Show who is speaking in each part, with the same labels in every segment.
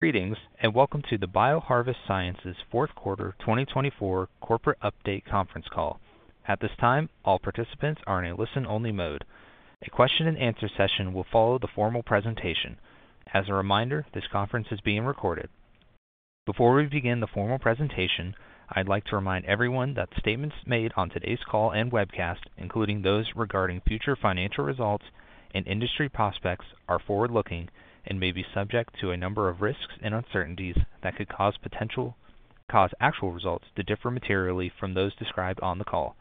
Speaker 1: Greetings and welcome to the BioHarvest Sciences Fourth Quarter 2024 Corporate Update Conference Call. At this time, all participants are in a listen-only mode. A question-and-answer session will follow the formal presentation. As a reminder, this conference is being recorded. Before we begin the formal presentation, I'd like to remind everyone that statements made on today's call and webcast, including those regarding future financial results and industry prospects, are forward-looking and may be subject to a number of risks and uncertainties that could cause actual results to differ materially from those described on the call.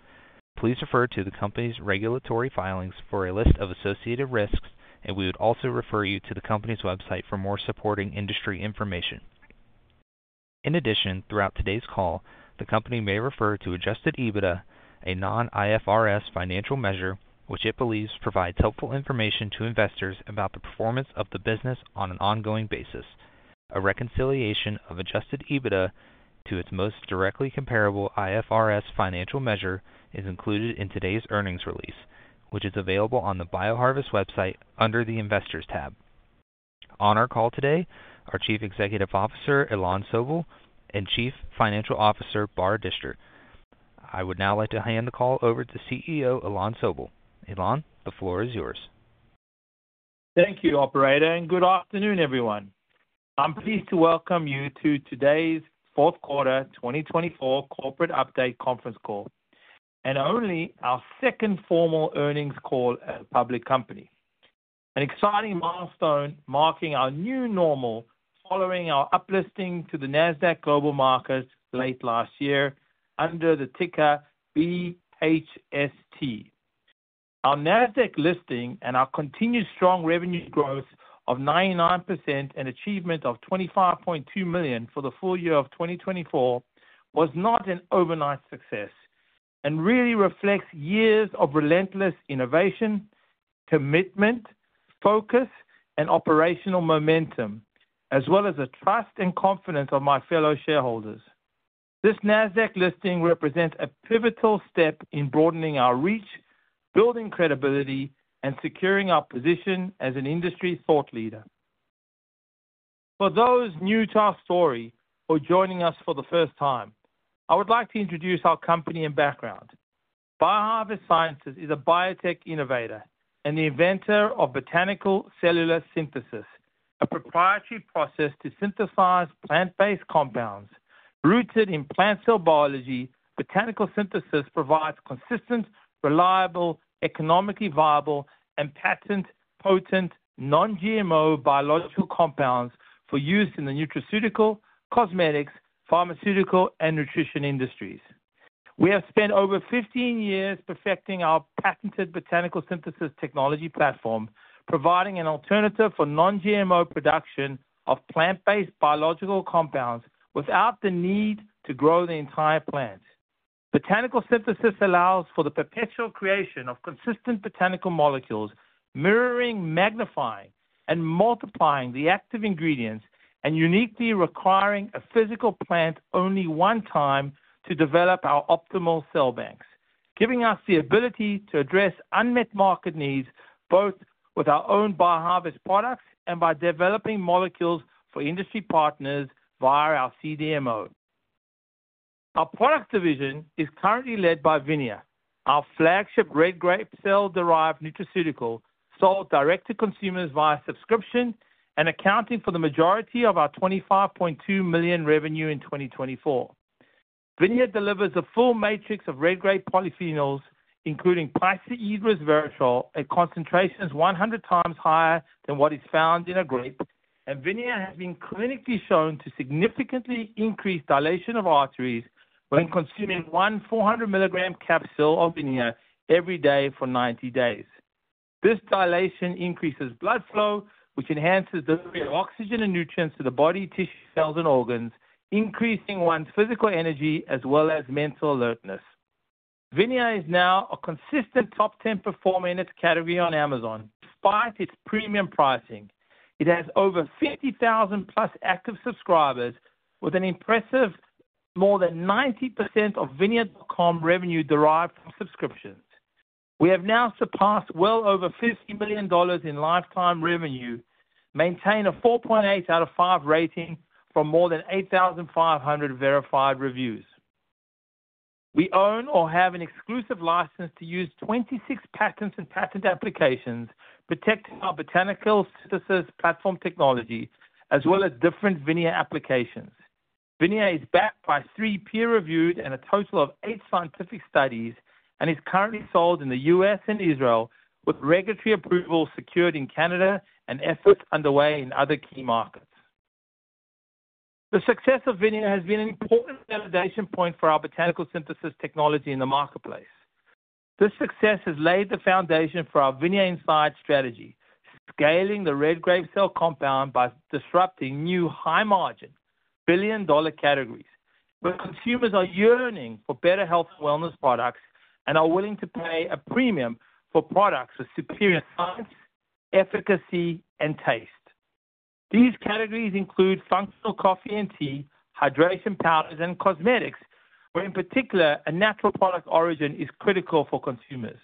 Speaker 1: Please refer to the company's regulatory filings for a list of associated risks, and we would also refer you to the company's website for more supporting industry information. In addition, throughout today's call, the company may refer to adjusted EBITDA, a non-IFRS financial measure which it believes provides helpful information to investors about the performance of the business on an ongoing basis. A reconciliation of adjusted EBITDA to its most directly comparable IFRS financial measure is included in today's earnings release, which is available on the BioHarvest website under the Investors tab. On our call today, our Chief Executive Officer, Ilan Sobel, and Chief Financial Officer, Bar Dichter. I would now like to hand the call over to CEO, Ilan Sobel. Ilan, the floor is yours.
Speaker 2: Thank you, Operator, and good afternoon, everyone. I'm pleased to welcome you to today's Fourth Quarter 2024 Corporate Update Conference Call, and only our second formal earnings call at a public company. An exciting milestone marking our new normal following our uplisting to the Nasdaq Global Markets late last year under the ticker BHST. Our Nasdaq listing and our continued strong revenue growth of 99% and achievement of $25.2 million for the full year of 2024 was not an overnight success and really reflects years of relentless innovation, commitment, focus, and operational momentum, as well as the trust and confidence of my fellow shareholders. This Nasdaq listing represents a pivotal step in broadening our reach, building credibility, and securing our position as an industry thought leader. For those new to our story or joining us for the first time, I would like to introduce our company and background. BioHarvest Sciences is a biotech innovator and the inventor of botanical cellular synthesis, a proprietary process to synthesize plant-based compounds. Rooted in plant cell biology, botanical synthesis provides consistent, reliable, economically viable, and patent-potent non-GMO biological compounds for use in the nutraceutical, cosmetics, pharmaceutical, and nutrition industries. We have spent over 15 years perfecting our patented botanical synthesis technology platform, providing an alternative for non-GMO production of plant-based biological compounds without the need to grow the entire plant. Botanical synthesis allows for the perpetual creation of consistent botanical molecules, mirroring, magnifying, and multiplying the active ingredients, and uniquely requiring a physical plant only one time to develop our optimal cell banks, giving us the ability to address unmet market needs both with our own BioHarvest products and by developing molecules for industry partners via our CDMO. Our product division is currently led by Vinia, our flagship red grape cell-derived nutraceutical sold direct to consumers via subscription and accounting for the majority of our $25.2 million revenue in 2024. Vinia delivers a full matrix of red grape polyphenols, including pysaedrus virginal, at concentrations 100x higher than what is found in a grape, and Vinia has been clinically shown to significantly increase dilation of arteries when consuming one 400 milligram capsule of Vinia every day for 90 days. This dilation increases blood flow, which enhances the delivery of oxygen and nutrients to the body, tissue, cells, and organs, increasing one's physical energy as well as mental alertness. Vinia is now a consistent top 10 performer in its category on Amazon. Despite its premium pricing, it has over 50,000 plus active subscribers, with an impressive more than 90% of Vinia.com revenue derived from subscriptions. We have now surpassed well over $50 million in lifetime revenue, maintain a 4.8 out of 5 rating from more than 8,500 verified reviews. We own or have an exclusive license to use 26 patents and patent applications protecting our botanical synthesis platform technology, as well as different Vinia applications. Vinia is backed by three peer-reviewed and a total of eight scientific studies and is currently sold in the U.S. and Israel, with regulatory approval secured in Canada and efforts underway in other key markets. The success of Vinia has been an important validation point for our botanical synthesis technology in the marketplace. This success has laid the foundation for our Vinia Inside strategy, scaling the red grape cell compound by disrupting new high-margin, billion-dollar categories where consumers are yearning for better health and wellness products and are willing to pay a premium for products with superior science, efficacy, and taste. These categories include functional coffee and tea, hydration powders, and cosmetics, where in particular a natural product origin is critical for consumers.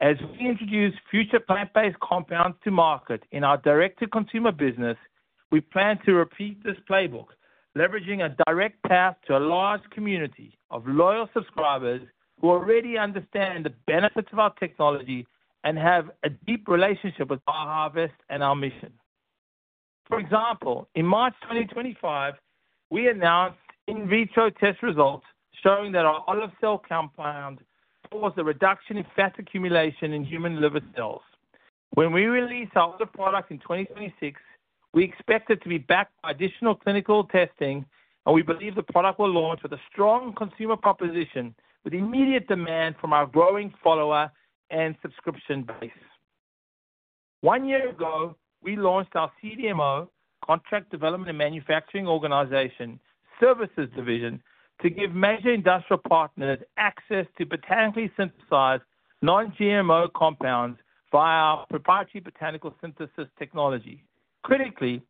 Speaker 2: As we introduce future plant-based compounds to market in our direct-to-consumer business, we plan to repeat this playbook, leveraging a direct path to a large community of loyal subscribers who already understand the benefits of our technology and have a deep relationship with BioHarvest and our mission. For example, in March 2025, we announced in vitro test results showing that our olive cell compound caused a reduction in fat accumulation in human liver cells. When we release our other product in 2026, we expect it to be backed by additional clinical testing, and we believe the product will launch with a strong consumer proposition with immediate demand from our growing follower and subscription base. One year ago, we launched our CDMO, Contract Development and Manufacturing Organization, Services Division, to give major industrial partners access to botanically synthesized non-GMO compounds via our proprietary botanical synthesis technology. Critically,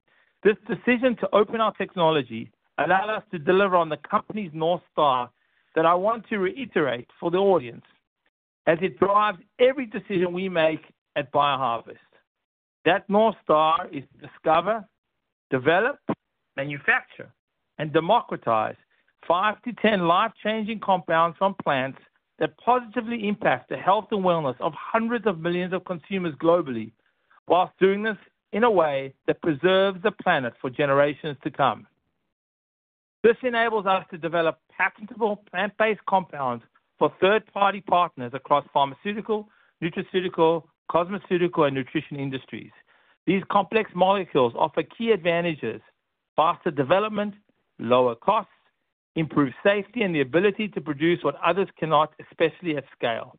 Speaker 2: this decision to open our technology allowed us to deliver on the company's North Star that I want to reiterate for the audience, as it drives every decision we make at BioHarvest. That North Star is to discover, develop, manufacture, and democratize five to ten life-changing compounds from plants that positively impact the health and wellness of hundreds of millions of consumers globally, whilst doing this in a way that preserves the planet for generations to come. This enables us to develop patentable plant-based compounds for third-party partners across pharmaceutical, nutraceutical, cosmeceutical, and nutrition industries. These complex molecules offer key advantages: faster development, lower costs, improved safety, and the ability to produce what others cannot, especially at scale.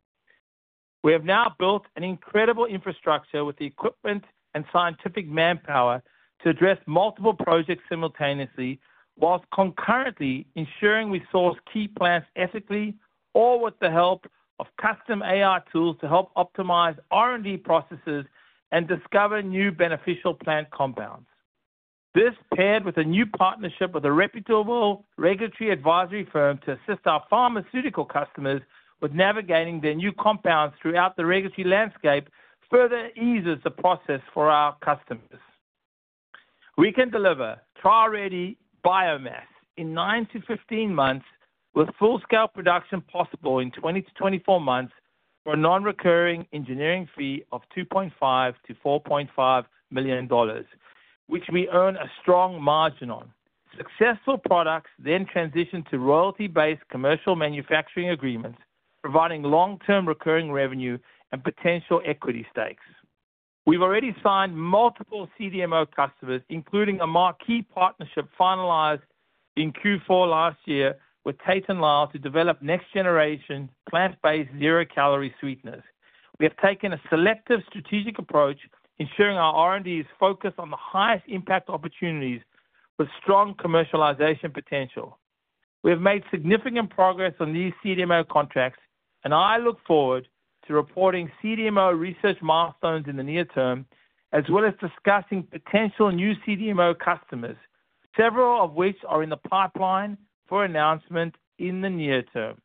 Speaker 2: We have now built an incredible infrastructure with the equipment and scientific manpower to address multiple projects simultaneously, whilst concurrently ensuring we source key plants ethically or with the help of custom AI tools to help optimize R&D processes and discover new beneficial plant compounds. This, paired with a new partnership with a reputable regulatory advisory firm to assist our pharmaceutical customers with navigating their new compounds throughout the regulatory landscape, further eases the process for our customers. We can deliver trial-ready biomass in nine to fifteen months, with full-scale production possible in twenty to twenty-four months for a non-recurring engineering fee of $2.5 million-$4.5 million, which we earn a strong margin on. Successful products then transition to royalty-based commercial manufacturing agreements, providing long-term recurring revenue and potential equity stakes. We've already signed multiple CDMO customers, including a marquee partnership finalized in Q4 last year with Tate & Lyle to develop next-generation plant-based zero-calorie sweeteners. We have taken a selective strategic approach, ensuring our R&D is focused on the highest impact opportunities with strong commercialization potential. We have made significant progress on these CDMO contracts, and I look forward to reporting CDMO research milestones in the near term, as well as discussing potential new CDMO customers, several of which are in the pipeline for announcement in the near term.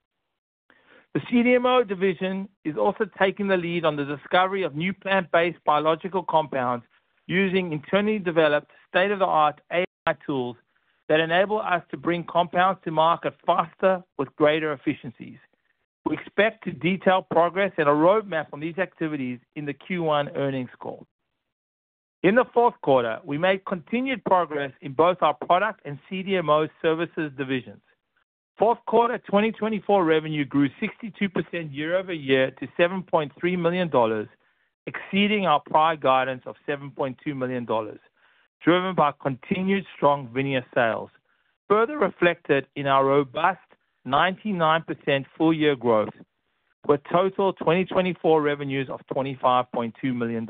Speaker 2: The CDMO division is also taking the lead on the discovery of new plant-based biological compounds using internally developed state-of-the-art AI tools that enable us to bring compounds to market faster with greater efficiencies. We expect detailed progress and a roadmap on these activities in the Q1 earnings call. In the fourth quarter, we made continued progress in both our product and CDMO services divisions. Fourth quarter 2024 revenue grew 62% year-over-year to $7.3 million, exceeding our prior guidance of $7.2 million, driven by continued strong Vinia sales, further reflected in our robust 99% full-year growth with total 2024 revenues of $25.2 million.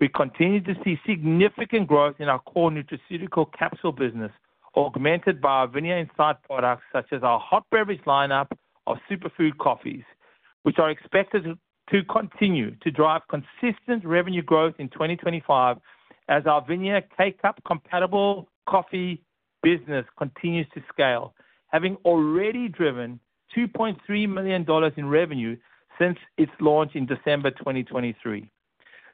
Speaker 2: We continue to see significant growth in our core nutraceutical capsule business, augmented by our Vinia Inside products such as our hot beverage lineup of superfood coffees, which are expected to continue to drive consistent revenue growth in 2025 as our Vinia K Cup compatible coffee business continues to scale, having already driven $2.3 million in revenue since its launch in December 2023.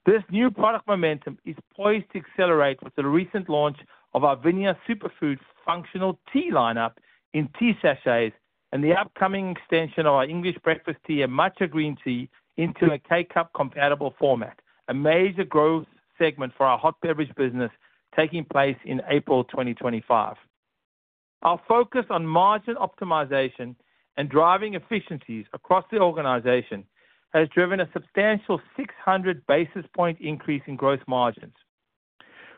Speaker 2: This new product momentum is poised to accelerate with the recent launch of our Vinia superfood functional tea lineup in tea sachets and the upcoming extension of our English breakfast tea and matcha green tea into a K Cup compatible format, a major growth segment for our hot beverage business taking place in April 2025. Our focus on margin optimization and driving efficiencies across the organization has driven a substantial 600 basis point increase in gross margins,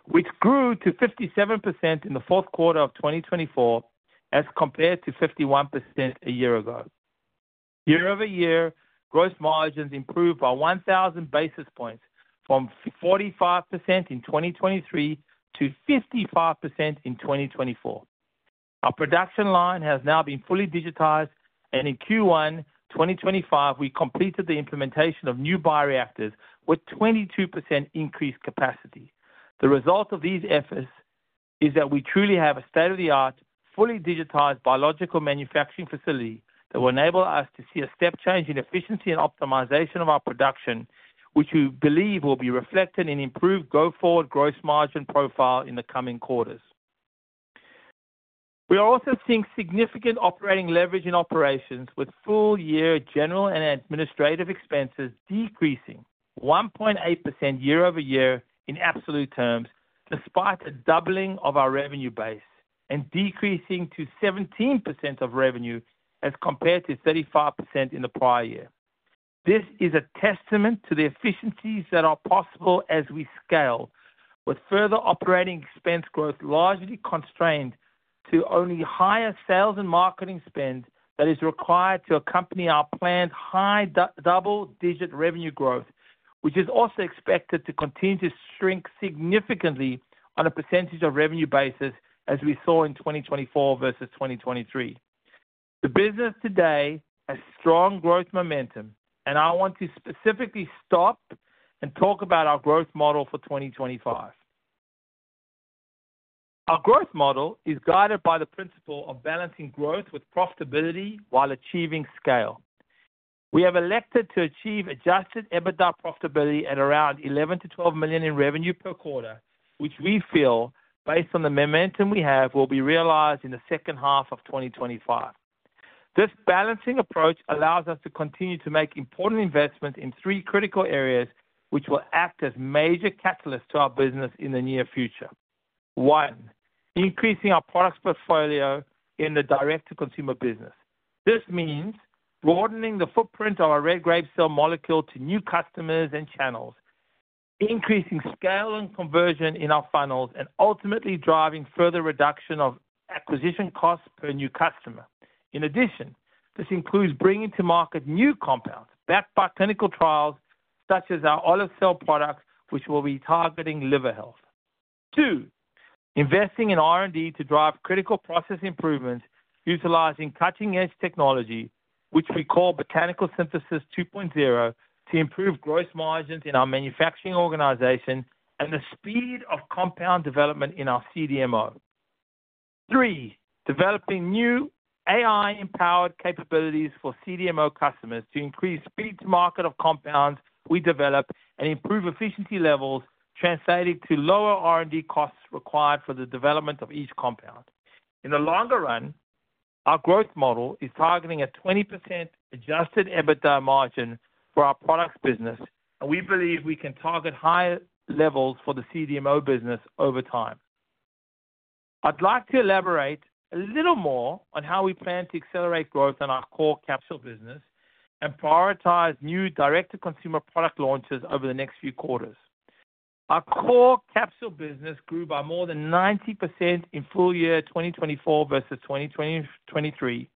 Speaker 2: which grew to 57% in the fourth quarter of 2024 as compared to 51% a year ago. year-over-year, gross margins improved by 1,000 basis points, from 45% in 2023 to 55% in 2024. Our production line has now been fully digitized, and in Q1 2025, we completed the implementation of new bioreactors with 22% increased capacity. The result of these efforts is that we truly have a state-of-the-art, fully digitized biological manufacturing facility that will enable us to see a step change in efficiency and optimization of our production, which we believe will be reflected in improved go-forward gross margin profile in the coming quarters. We are also seeing significant operating leverage in operations, with full-year general and administrative expenses decreasing 1.8% year-over-year in absolute terms, despite a doubling of our revenue base and decreasing to 17% of revenue as compared to 35% in the prior year. This is a testament to the efficiencies that are possible as we scale, with further operating expense growth largely constrained to only higher sales and marketing spend that is required to accompany our planned high double-digit revenue growth, which is also expected to continue to shrink significantly on a percentage of revenue basis as we saw in 2024 versus 2023. The business today has strong growth momentum, and I want to specifically stop and talk about our growth model for 2025. Our growth model is guided by the principle of balancing growth with profitability while achieving scale. We have elected to achieve adjusted EBITDA profitability at around $11 million-$12 million in revenue per quarter, which we feel, based on the momentum we have, will be realized in the second half of 2025. This balancing approach allows us to continue to make important investments in three critical areas, which will act as major catalysts to our business in the near future. One, increasing our product portfolio in the direct-to-consumer business. This means broadening the footprint of our red grape cell molecule to new customers and channels, increasing scale and conversion in our funnels, and ultimately driving further reduction of acquisition costs per new customer. In addition, this includes bringing to market new compounds backed by clinical trials, such as our olive cell products, which will be targeting liver health. Two, investing in R&D to drive critical process improvements, utilizing cutting-edge technology, which we call Botanical Synthesis 2.0, to improve gross margins in our manufacturing organization and the speed of compound development in our CDMO. Three, developing new AI-empowered capabilities for CDMO customers to increase speed to market of compounds we develop and improve efficiency levels, translated to lower R&D costs required for the development of each compound. In the longer run, our growth model is targeting a 20% adjusted EBITDA margin for our products business, and we believe we can target higher levels for the CDMO business over time. I'd like to elaborate a little more on how we plan to accelerate growth in our core capsule business and prioritize new direct-to-consumer product launches over the next few quarters. Our core capsule business grew by more than 90% in full year 2024 versus 2023,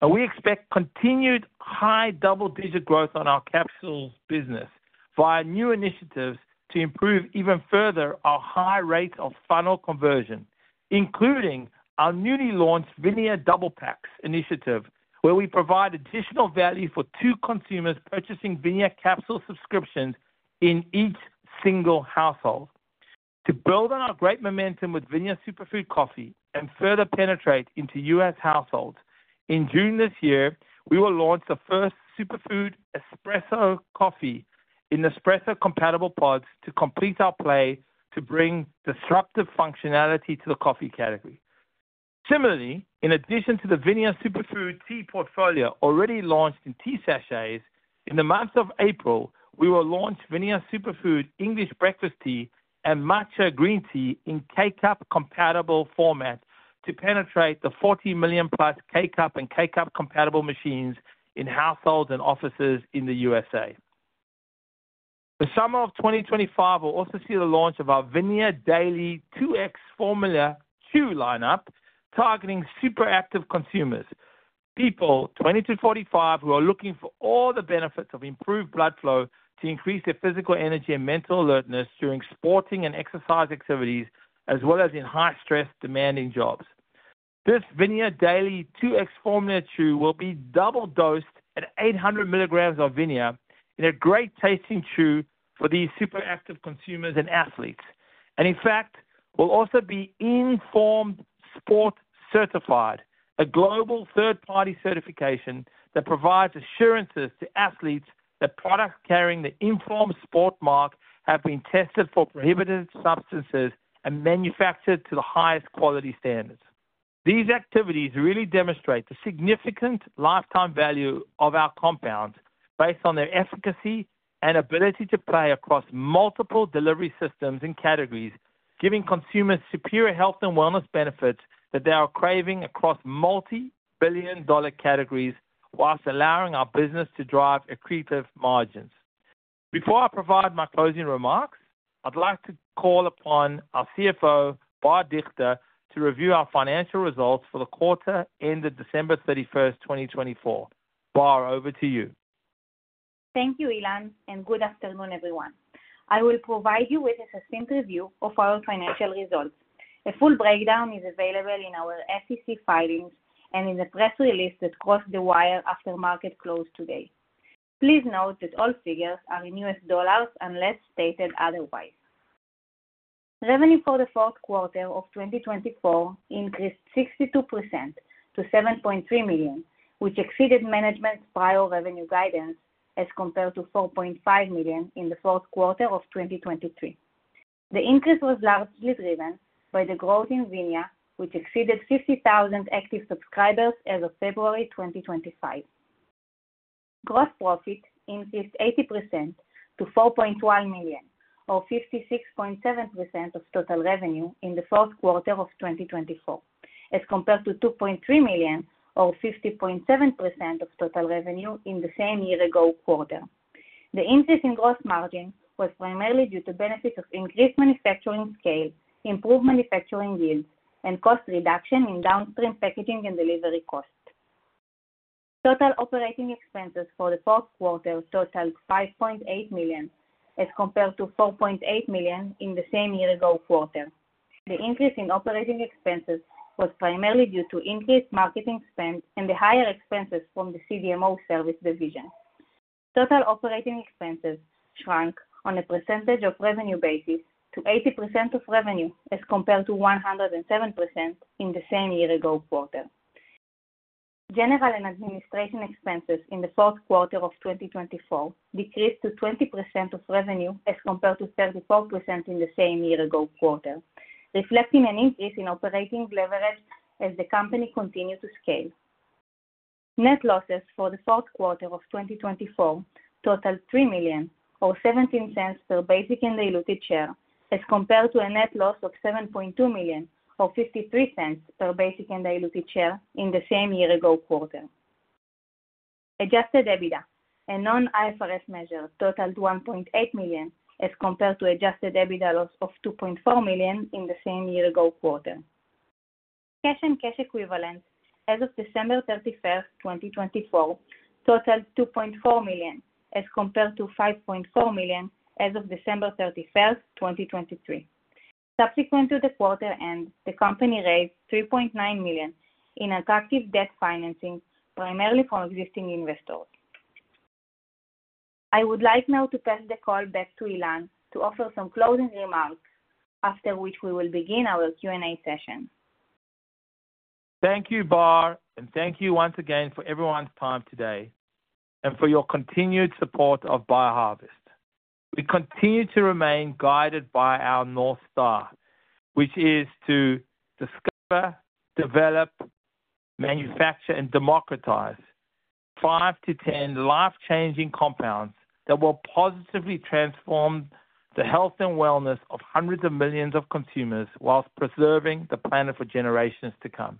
Speaker 2: and we expect continued high double-digit growth on our capsule business via new initiatives to improve even further our high rate of funnel conversion, including our newly launched Vinia Double Packs initiative, where we provide additional value for two consumers purchasing Vinia capsule subscriptions in each single household. To build on our great momentum with Vinia Superfood Coffee and further penetrate into U.S. households, in June this year, we will launch the first superfood espresso coffee in espresso-compatible pods to complete our play to bring disruptive functionality to the coffee category. Similarly, in addition to the Vinia Superfood Tea portfolio already launched in tea sachets, in the month of April, we will launch Vinia Superfood English Breakfast Tea and Matcha Green Tea in K Cup compatible format to penetrate the 40 million-plus K Cup and K Cup compatible machines in households and offices in the United States. The summer of 2025 will also see the launch of our Vinia Daily 2X Formula Chews lineup, targeting superactive consumers, people 20 to 45 who are looking for all the benefits of improved blood flow to increase their physical energy and mental alertness during sporting and exercise activities, as well as in high-stress demanding jobs. This Vinia Daily 2X Formula Chews will be double-dosed at 800 milligrams of Vinia, in a great-tasting chew for these superactive consumers and athletes. In fact, we'll also be Informed Sport Certified, a global third-party certification that provides assurances to athletes that products carrying the Informed Sport mark have been tested for prohibited substances and manufactured to the highest quality standards. These activities really demonstrate the significant lifetime value of our compounds based on their efficacy and ability to play across multiple delivery systems and categories, giving consumers superior health and wellness benefits that they are craving across multi-billion dollar categories, whilst allowing our business to drive accretive margins. Before I provide my closing remarks, I'd like to call upon our CFO, Bar Dichter, to review our financial results for the quarter ended December 31, 2024. Bar, over to you.
Speaker 3: Thank you, Ilan, and good afternoon, everyone. I will provide you with a succinct review of our financial results. A full breakdown is available in our FCC filings and in the press release that crossed the wire after market close today. Please note that all figures are in US dollars unless stated otherwise. Revenue for the fourth quarter of 2024 increased 62% to $7.3 million, which exceeded management's prior revenue guidance as compared to $4.5 million in the fourth quarter of 2023. The increase was largely driven by the growth in Vinia, which exceeded 50,000 active subscribers as of February 2025. Gross profit increased 80% to $4.1 million, or 56.7% of total revenue in the fourth quarter of 2024, as compared to $2.3 million, or 50.7% of total revenue in the same year-ago quarter. The increase in gross margin was primarily due to benefits of increased manufacturing scale, improved manufacturing yields, and cost reduction in downstream packaging and delivery costs. Total operating expenses for the fourth quarter totaled $5.8 million, as compared to $4.8 million in the same year-ago quarter. The increase in operating expenses was primarily due to increased marketing spend and the higher expenses from the CDMO service division. Total operating expenses shrank on a percentage of revenue basis to 80% of revenue as compared to 107% in the same year-ago quarter. General and administration expenses in the fourth quarter of 2024 decreased to 20% of revenue as compared to 34% in the same year-ago quarter, reflecting an increase in operating leverage as the company continued to scale. Net losses for the fourth quarter of 2024 totaled $3 million, or $0.17 per basic and diluted share, as compared to a net loss of $7.2 million, or $0.53 per basic and diluted share in the same year-ago quarter. Adjusted EBITDA, a non-IFRS measure, totaled $1.8 million, as compared to adjusted EBITDA loss of $2.4 million in the same year-ago quarter. Cash and cash equivalents as of December 31, 2024, totaled $2.4 million, as compared to $5.4 million as of December 31, 2023. Subsequent to the quarter end, the company raised $3.9 million in attractive debt financing, primarily from existing investors. I would like now to pass the call back to Ilan to offer some closing remarks, after which we will begin our Q&A session.
Speaker 2: Thank you, Bar, and thank you once again for everyone's time today and for your continued support of BioHarvest. We continue to remain guided by our North Star, which is to discover, develop, manufacture, and democratize 5 to 10 life-changing compounds that will positively transform the health and wellness of hundreds of millions of consumers whilst preserving the planet for generations to come.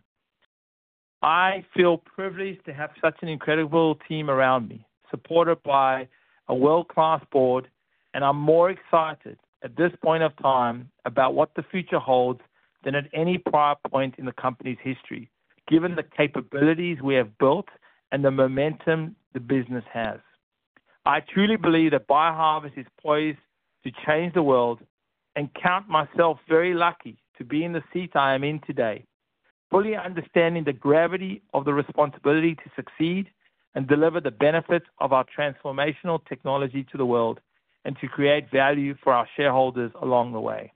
Speaker 2: I feel privileged to have such an incredible team around me, supported by a world-class board, and I'm more excited at this point of time about what the future holds than at any prior point in the company's history, given the capabilities we have built and the momentum the business has. I truly believe that BioHarvest is poised to change the world, and I count myself very lucky to be in the seat I am in today, fully understanding the gravity of the responsibility to succeed and deliver the benefits of our transformational technology to the world and to create value for our shareholders along the way.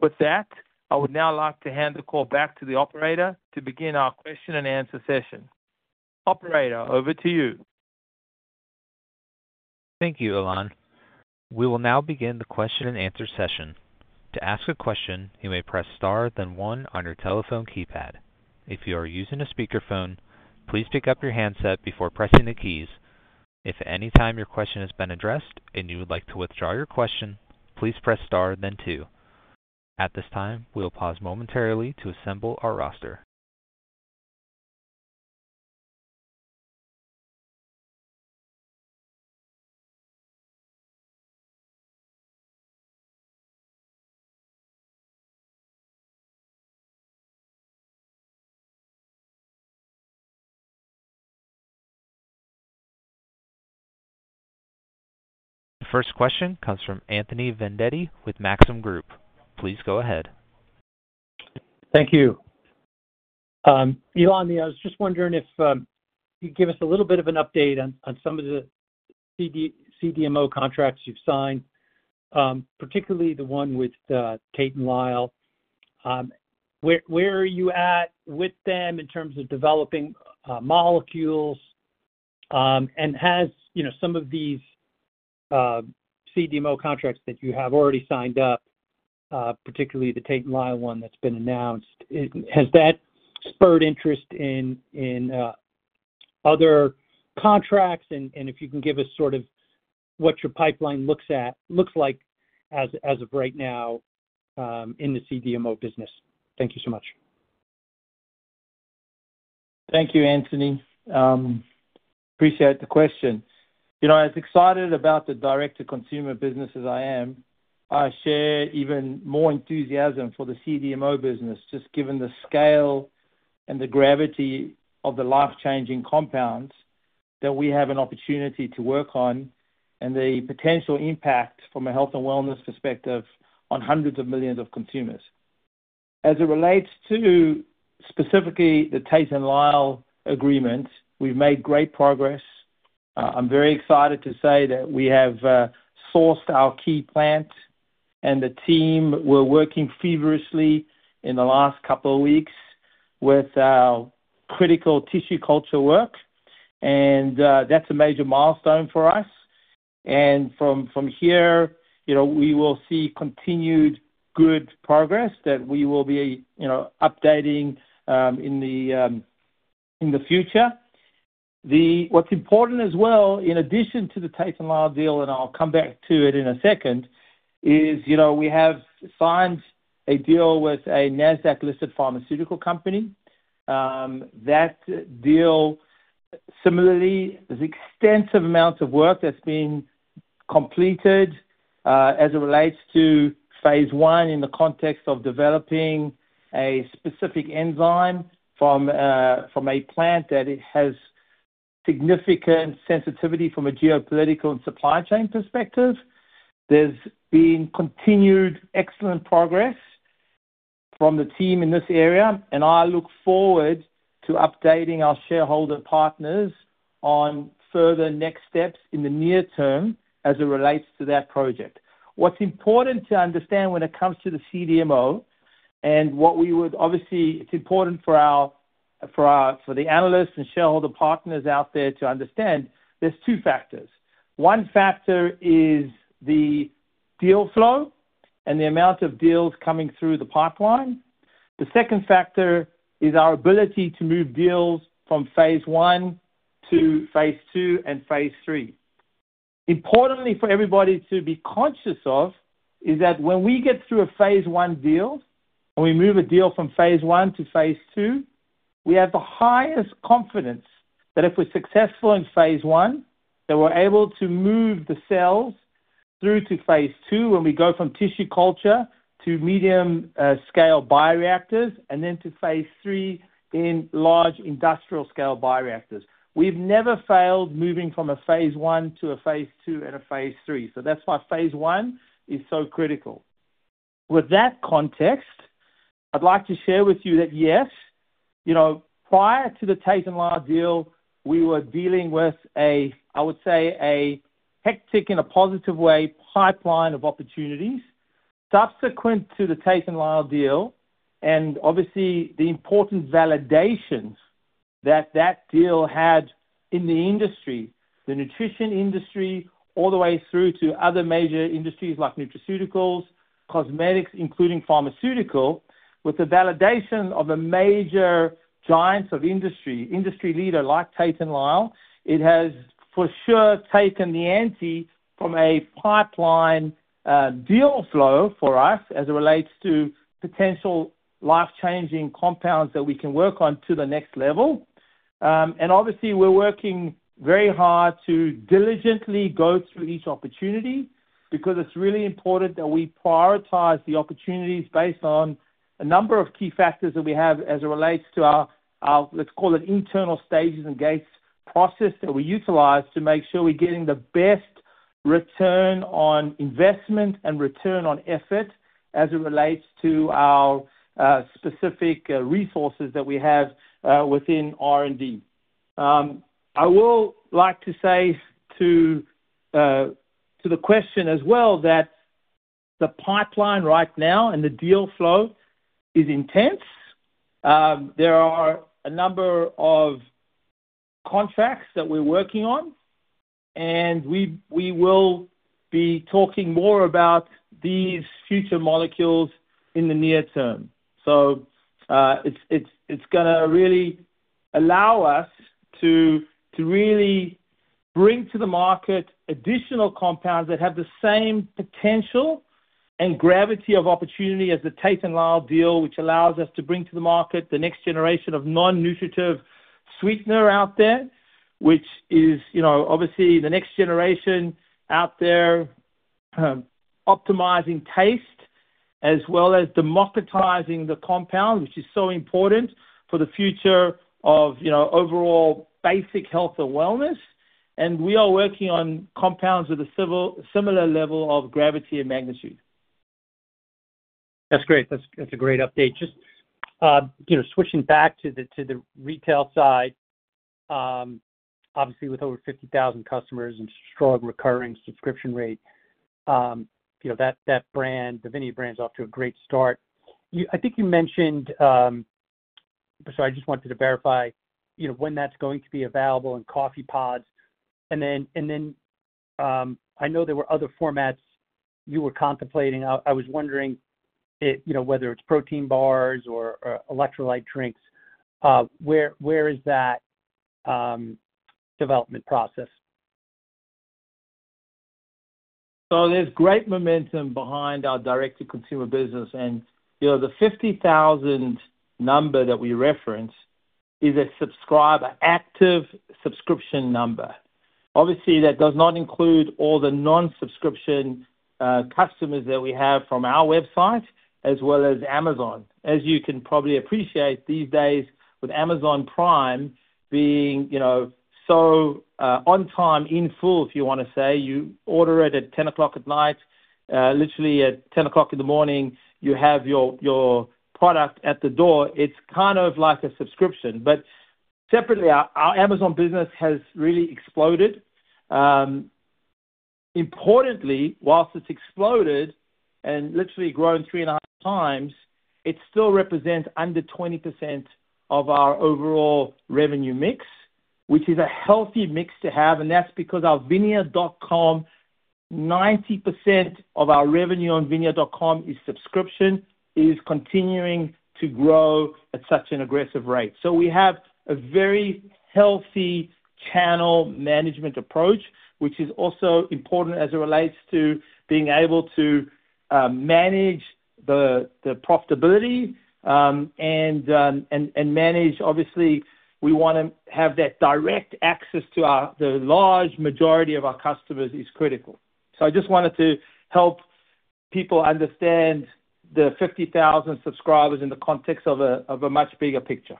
Speaker 2: With that, I would now like to hand the call back to the operator to begin our question-and-answer session.
Speaker 1: Operator, over to you. Thank you, Ilan. We will now begin the question-and-answer session. To ask a question, you may press star then one on your telephone keypad. If you are using a speakerphone, please pick up your handset before pressing the keys. If at any time your question has been addressed and you would like to withdraw your question, please press star then two. At this time, we will pause momentarily to assemble our roster. The first question comes from Anthony Vendetti with Maxim Group. Please go ahead.
Speaker 4: Thank you. Ilan, I was just wondering if you could give us a little bit of an update on some of the CDMO contracts you've signed, particularly the one with Tate & Lyle. Where are you at with them in terms of developing molecules? And has some of these CDMO contracts that you have already signed up, particularly the Tate & Lyle one that's been announced, has that spurred interest in other contracts? If you can give us sort of what your pipeline looks like as of right now in the CDMO business. Thank you so much.
Speaker 2: Thank you, Anthony. Appreciate the question. As excited about the direct-to-consumer business as I am, I share even more enthusiasm for the CDMO business, just given the scale and the gravity of the life-changing compounds that we have an opportunity to work on and the potential impact from a health and wellness perspective on hundreds of millions of consumers. As it relates to specifically the Tate & Lyle agreement, we've made great progress. I'm very excited to say that we have sourced our key plant, and the team were working feverishly in the last couple of weeks with our critical tissue culture work. That's a major milestone for us. From here, we will see continued good progress that we will be updating in the future. What's important as well, in addition to the Tate & Lyle deal, and I'll come back to it in a second, is we have signed a deal with a Nasdaq-listed pharmaceutical company. That deal, similarly, there's extensive amounts of work that's been completed as it relates to phase one in the context of developing a specific enzyme from a plant that has significant sensitivity from a geopolitical and supply chain perspective. There's been continued excellent progress from the team in this area, and I look forward to updating our shareholder partners on further next steps in the near term as it relates to that project. What's important to understand when it comes to the CDMO and what we would obviously—it's important for the analysts and shareholder partners out there to understand—there's two factors. One factor is the deal flow and the amount of deals coming through the pipeline. The second factor is our ability to move deals from phase one to phase two and phase three. Importantly for everybody to be conscious of is that when we get through a phase one deal and we move a deal from phase one to phase two, we have the highest confidence that if we're successful in phase one, that we're able to move the cells through to phase two when we go from tissue culture to medium-scale bioreactors and then to phase three in large industrial-scale bioreactors. We've never failed moving from a phase one to a phase two and a phase three. That is why phase one is so critical. With that context, I'd like to share with you that, yes, prior to the Tate & Lyle deal, we were dealing with, I would say, a hectic in a positive way pipeline of opportunities. Subsequent to the Tate & Lyle deal and obviously the important validations that that deal had in the industry, the nutrition industry, all the way through to other major industries like nutraceuticals, cosmetics, including pharmaceutical. With the validation of the major giants of industry, industry leader like Tate & Lyle, it has for sure taken the ante from a pipeline deal flow for us as it relates to potential life-changing compounds that we can work on to the next level. Obviously, we're working very hard to diligently go through each opportunity because it's really important that we prioritize the opportunities based on a number of key factors that we have as it relates to our, let's call it, internal stages and gates process that we utilize to make sure we're getting the best return on investment and return on effort as it relates to our specific resources that we have within R&D. I would like to say to the question as well that the pipeline right now and the deal flow is intense. There are a number of contracts that we're working on, and we will be talking more about these future molecules in the near term. It's going to really allow us to really bring to the market additional compounds that have the same potential and gravity of opportunity as the Tate & Lyle deal, which allows us to bring to the market the next generation of non-nutritive sweetener out there, which is obviously the next generation out there optimizing taste as well as democratizing the compound, which is so important for the future of overall basic health and wellness. We are working on compounds with a similar level of gravity and magnitude.
Speaker 4: That's great. That's a great update. Just switching back to the retail side, obviously with over 50,000 customers and strong recurring subscription rate, that brand, the Vinia brand, is off to a great start. I think you mentioned—sorry, I just wanted to verify when that's going to be available in coffee pods. I know there were other formats you were contemplating. I was wondering whether it's protein bars or electrolyte drinks. Where is that development process?
Speaker 2: There is great momentum behind our direct-to-consumer business. The 50,000 number that we reference is a subscriber, active subscription number. Obviously, that does not include all the non-subscription customers that we have from our website as well as Amazon. As you can probably appreciate these days with Amazon Prime being so on time, in full, if you want to say, you order it at 10:00 P.M., literally at 10:00 A.M., you have your product at the door. It is kind of like a subscription. Separately, our Amazon business has really exploded. Importantly, whilst it's exploded and literally grown 3.5x, it still represents under 20% of our overall revenue mix, which is a healthy mix to have. That is because our vinia.com, 90% of our revenue on vinia.com is subscription, is continuing to grow at such an aggressive rate. We have a very healthy channel management approach, which is also important as it relates to being able to manage the profitability and manage, obviously, we want to have that direct access to the large majority of our customers is critical. I just wanted to help people understand the 50,000 subscribers in the context of a much bigger picture.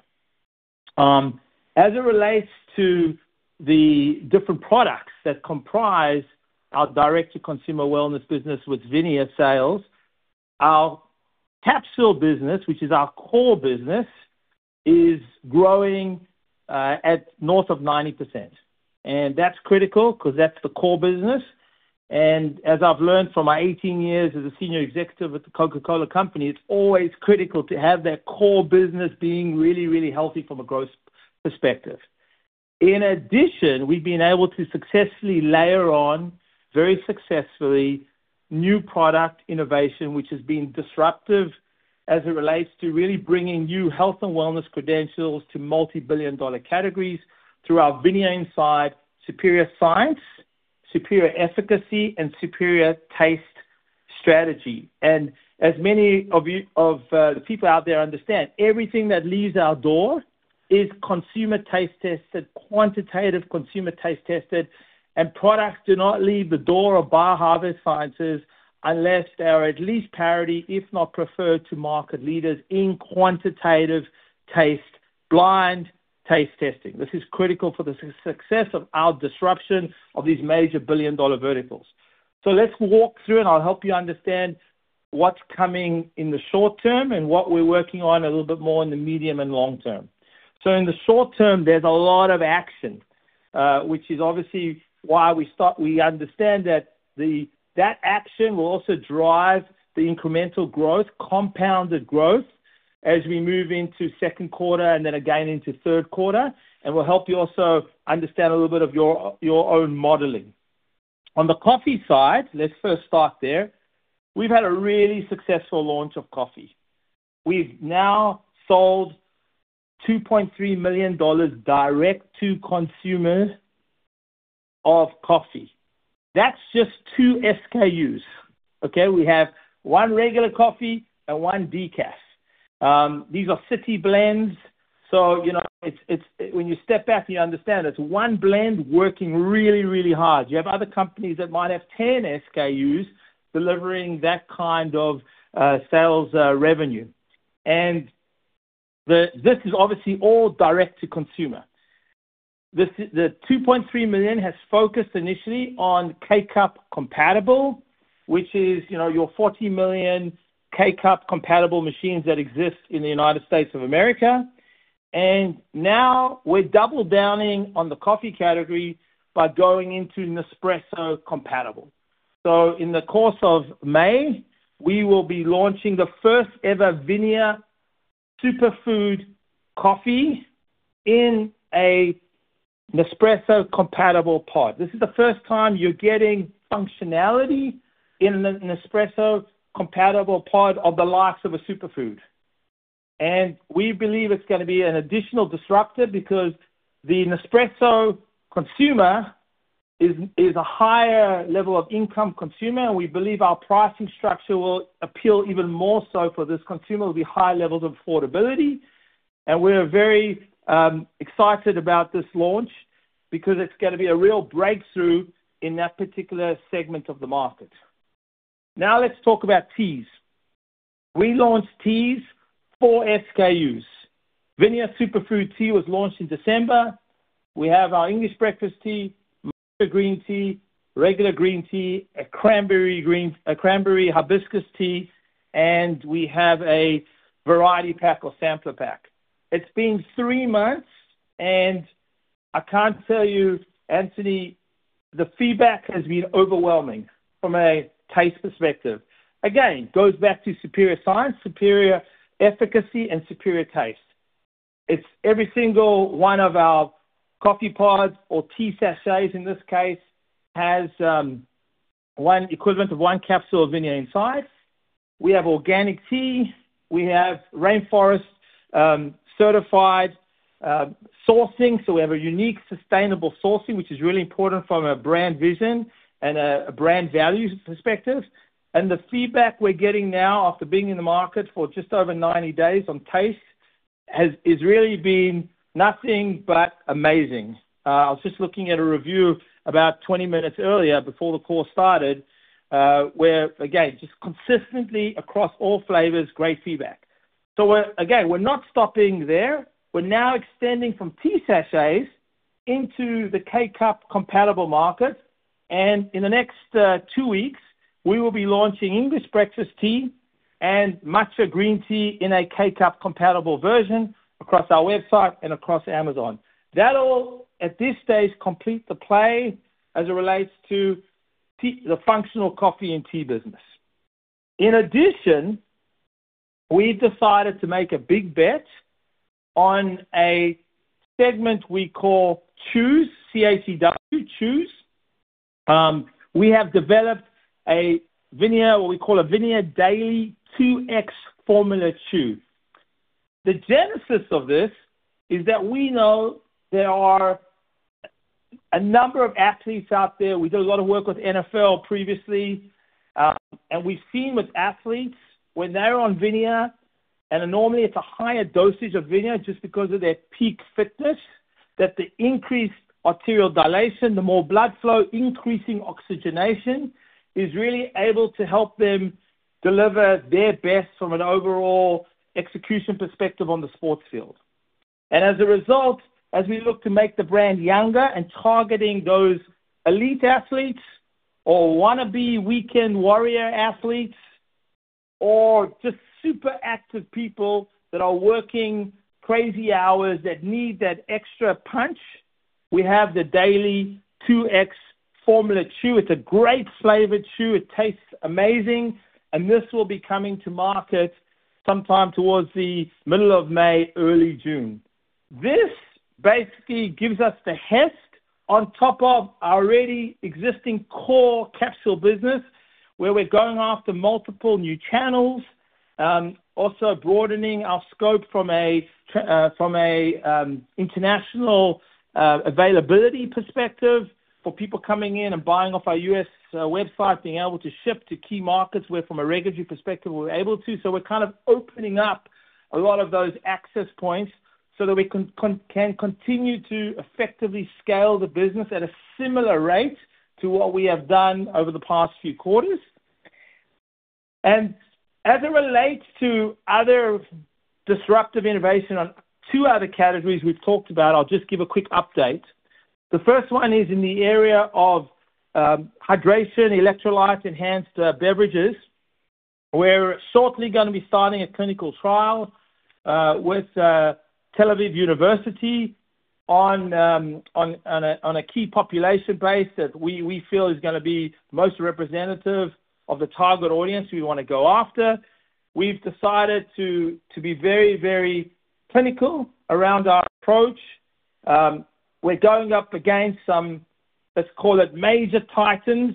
Speaker 2: As it relates to the different products that comprise our direct-to-consumer wellness business with Vinia sales, our capsule business, which is our core business, is growing at north of 90%. That is critical because that's the core business. As I've learned from my 18 years as a senior executive at the Coca-Cola company, it's always critical to have that core business being really, really healthy from a growth perspective. In addition, we've been able to successfully layer on, very successfully, new product innovation, which has been disruptive as it relates to really bringing new health and wellness credentials to multi-billion dollar categories through our Vinia inside superior science, superior efficacy, and superior taste strategy. As many of the people out there understand, everything that leaves our door is consumer taste tested, quantitative consumer taste tested. Products do not leave the door of BioHarvest Sciences unless they are at least parity, if not preferred, to market leaders in quantitative taste, blind taste testing. This is critical for the success of our disruption of these major billion-dollar verticals. Let's walk through, and I'll help you understand what's coming in the short term and what we're working on a little bit more in the medium and long term. In the short term, there's a lot of action, which is obviously why we understand that that action will also drive the incremental growth, compounded growth, as we move into the second quarter and then again into the third quarter. We'll help you also understand a little bit of your own modeling. On the coffee side, let's first start there. We've had a really successful launch of coffee. We've now sold $2.3 million direct to consumers of coffee. That's just two SKUs. Okay? We have one regular coffee and one decaf. These are city blends. When you step back, you understand it's one blend working really, really hard. You have other companies that might have 10 SKUs delivering that kind of sales revenue. This is obviously all direct to consumer. The $2.3 million has focused initially on K Cup compatible, which is your 40 million K Cup compatible machines that exist in the United States of America. Now we're double-downing on the coffee category by going into Nespresso compatible. In the course of May, we will be launching the first-ever Vinia Superfood Coffee in a Nespresso compatible pod. This is the first time you're getting functionality in the Nespresso compatible pod of the likes of a superfood. We believe it's going to be an additional disruptor because the Nespresso consumer is a higher level of income consumer. We believe our pricing structure will appeal even more so for this consumer with high levels of affordability. We're very excited about this launch because it's going to be a real breakthrough in that particular segment of the market. Now let's talk about teas. We launched teas, four SKUs. Vinia Superfood Tea was launched in December. We have our English breakfast tea, matcha green tea, regular green tea, a cranberry hibiscus tea, and we have a variety pack or sampler pack. It's been three months, and I can't tell you, Anthony, the feedback has been overwhelming from a taste perspective. Again, it goes back to superior science, superior efficacy, and superior taste. Every single one of our coffee pods or tea sachets, in this case, has one equivalent of one capsule of Vinia inside. We have organic tea. We have rainforest-certified sourcing. We have a unique sustainable sourcing, which is really important from a brand vision and a brand value perspective. The feedback we're getting now after being in the market for just over 90 days on taste has really been nothing but amazing. I was just looking at a review about 20 minutes earlier before the call started where, again, just consistently across all flavors, great feedback. We are not stopping there. We are now extending from tea sachets into the K Cup compatible market. In the next two weeks, we will be launching English breakfast tea and matcha green tea in a K Cup compatible version across our website and across Amazon. That all, at this stage, completes the play as it relates to the functional coffee and tea business. In addition, we've decided to make a big bet on a segment we call Chews, C-H-E-W-S, Chews. We have developed a Vinia, what we call a Vinia Daily 2X Formula Chews. The genesis of this is that we know there are a number of athletes out there. We did a lot of work with NFL previously. We have seen with athletes, when they're on Vinia, and normally it's a higher dosage of Vinia just because of their peak fitness, that the increased arterial dilation, the more blood flow, increasing oxygenation is really able to help them deliver their best from an overall execution perspective on the sports field. As a result, as we look to make the brand younger and targeting those elite athletes or wannabe weekend warrior athletes or just super active people that are working crazy hours that need that extra punch, we have the Daily 2X Formula Chews. It's a great flavored Chews. It tastes amazing. This will be coming to market sometime towards the middle of May, early June. This basically gives us the heft on top of our already existing core capsule business where we're going after multiple new channels, also broadening our scope from an international availability perspective for people coming in and buying off our US website, being able to ship to key markets where, from a regulatory perspective, we're able to. We're kind of opening up a lot of those access points so that we can continue to effectively scale the business at a similar rate to what we have done over the past few quarters. As it relates to other disruptive innovation on two other categories we've talked about, I'll just give a quick update. The first one is in the area of hydration, electrolyte-enhanced beverages, where we're shortly going to be starting a clinical trial with Tel Aviv University on a key population base that we feel is going to be most representative of the target audience we want to go after. We've decided to be very, very clinical around our approach. We're going up against some, let's call it, major titans: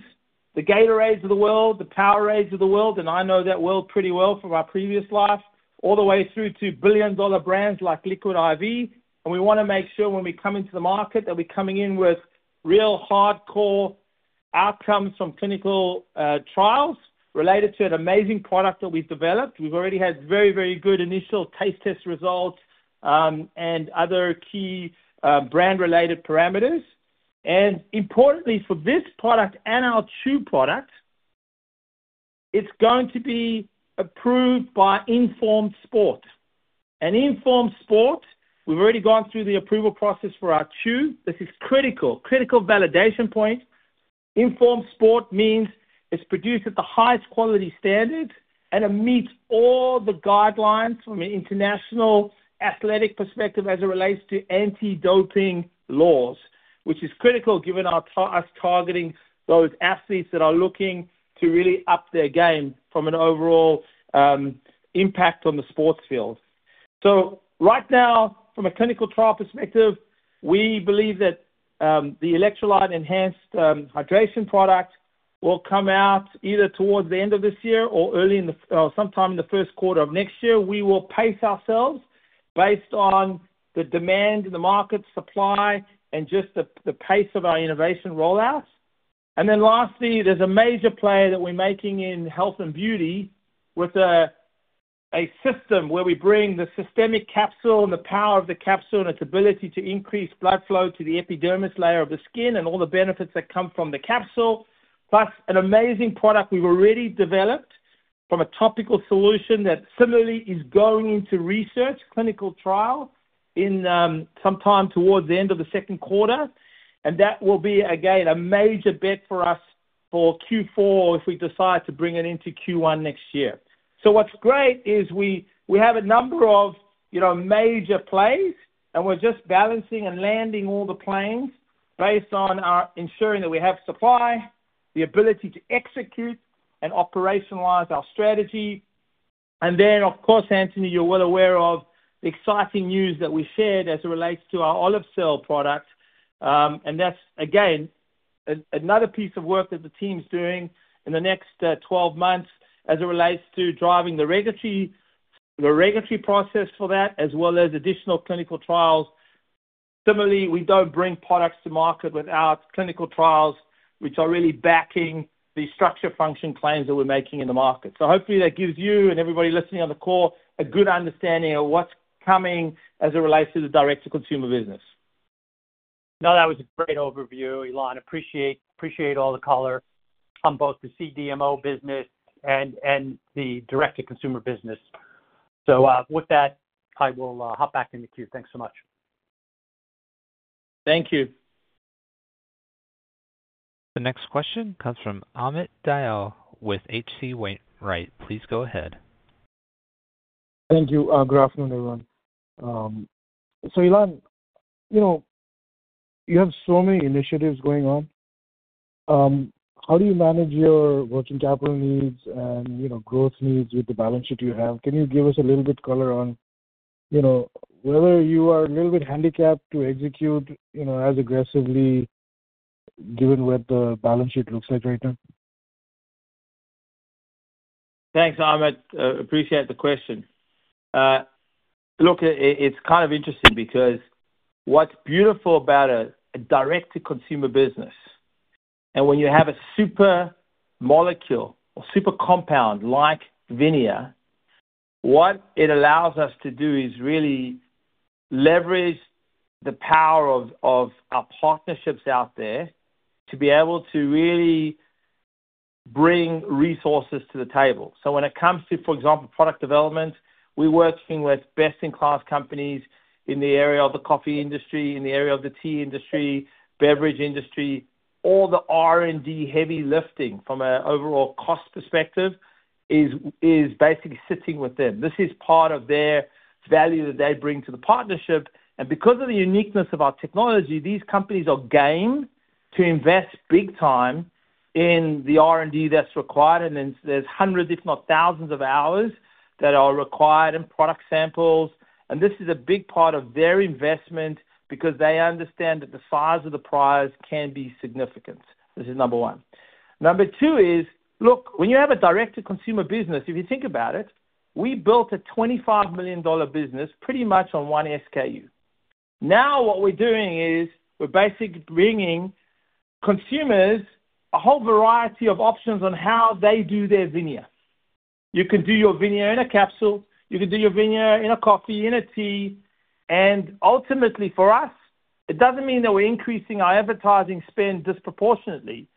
Speaker 2: the Gatorades of the world, the Powerades of the world, and I know that world pretty well from our previous life, all the way through to billion-dollar brands like Liquid IV. We want to make sure when we come into the market that we're coming in with real hardcore outcomes from clinical trials related to an amazing product that we've developed. We've already had very, very good initial taste test results and other key brand-related parameters. Importantly, for this product and our Chews product, it's going to be approved by Informed Sport. Informed Sport, we've already gone through the approval process for our Chews. This is a critical, critical validation point. Informed Sport means it's produced at the highest quality standard and it meets all the guidelines from an international athletic perspective as it relates to anti-doping laws, which is critical given us targeting those athletes that are looking to really up their game from an overall impact on the sports field. Right now, from a clinical trial perspective, we believe that the electrolyte-enhanced hydration product will come out either towards the end of this year or sometime in the first quarter of next year. We will pace ourselves based on the demand in the market, supply, and just the pace of our innovation rollouts. Lastly, there's a major play that we're making in health and beauty with a system where we bring the systemic capsule and the power of the capsule and its ability to increase blood flow to the epidermis layer of the skin and all the benefits that come from the capsule, plus an amazing product we've already developed from a topical solution that similarly is going into research, clinical trial, sometime towards the end of the second quarter. That will be, again, a major bet for us for Q4 if we decide to bring it into Q1 next year. What's great is we have a number of major plays, and we're just balancing and landing all the planes based on ensuring that we have supply, the ability to execute and operationalize our strategy. Of course, Anthony, you're well aware of the exciting news that we shared as it relates to our Olive Cell product. That's, again, another piece of work that the team's doing in the next 12 months as it relates to driving the regulatory process for that, as well as additional clinical trials. Similarly, we don't bring products to market without clinical trials, which are really backing the structure function claims that we're making in the market. Hopefully, that gives you and everybody listening on the call a good understanding of what's coming as it relates to the direct-to-consumer business.
Speaker 4: That was a great overview, Ilan. Appreciate all the color on both the CDMO business and the direct-to-consumer business. With that, I will hop back in the queue. Thanks so much.
Speaker 1: Thank you. The next question comes from Amit Dayal with HC Wainwright. Please go ahead.
Speaker 5: Thank you. Good afternoon, everyone. So Ilan, you have so many initiatives going on. How do you manage your working capital needs and growth needs with the balance sheet you have? Can you give us a little bit of color on whether you are a little bit handicapped to execute as aggressively given what the balance sheet looks like right now?
Speaker 2: Thanks, Amit. Appreciate the question. Look, it's kind of interesting because what's beautiful about a direct-to-consumer business, and when you have a super molecule or super compound like Vinia, what it allows us to do is really leverage the power of our partnerships out there to be able to really bring resources to the table. When it comes to, for example, product development, we're working with best-in-class companies in the area of the coffee industry, in the area of the tea industry, beverage industry. All the R&D heavy lifting from an overall cost perspective is basically sitting with them. This is part of their value that they bring to the partnership. Because of the uniqueness of our technology, these companies are game to invest big time in the R&D that's required. There are hundreds, if not thousands, of hours that are required in product samples. This is a big part of their investment because they understand that the size of the prize can be significant. This is number one. Number two is, look, when you have a direct-to-consumer business, if you think about it, we built a $25 million business pretty much on one SKU. Now what we're doing is we're basically bringing consumers a whole variety of options on how they do their Vinia. You can do your Vinia in a capsule. You can do your Vinia in a coffee, in a tea. Ultimately, for us, it does not mean that we are increasing our advertising spend disproportionately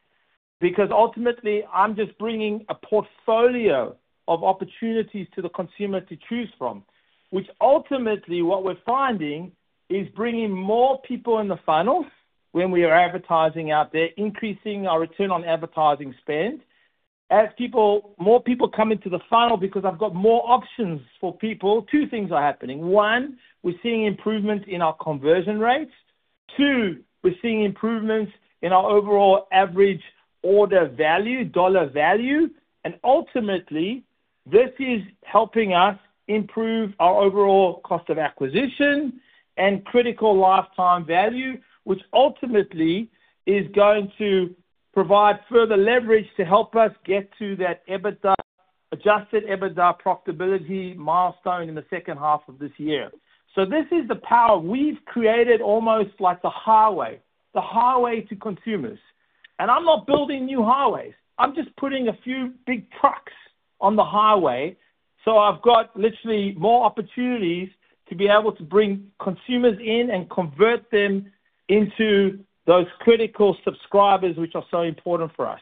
Speaker 2: because ultimately, I am just bringing a portfolio of opportunities to the consumer to choose from, which ultimately, what we are finding is bringing more people in the funnel when we are advertising out there, increasing our return on advertising spend. As more people come into the funnel because I have got more options for people, two things are happening. One, we are seeing improvements in our conversion rates. Two, we are seeing improvements in our overall average order value, dollar value. Ultimately, this is helping us improve our overall cost of acquisition and critical lifetime value, which ultimately is going to provide further leverage to help us get to that adjusted EBITDA profitability milestone in the second half of this year. This is the power we've created, almost like the highway, the highway to consumers. I'm not building new highways. I'm just putting a few big trucks on the highway. I've got literally more opportunities to be able to bring consumers in and convert them into those critical subscribers, which are so important for us.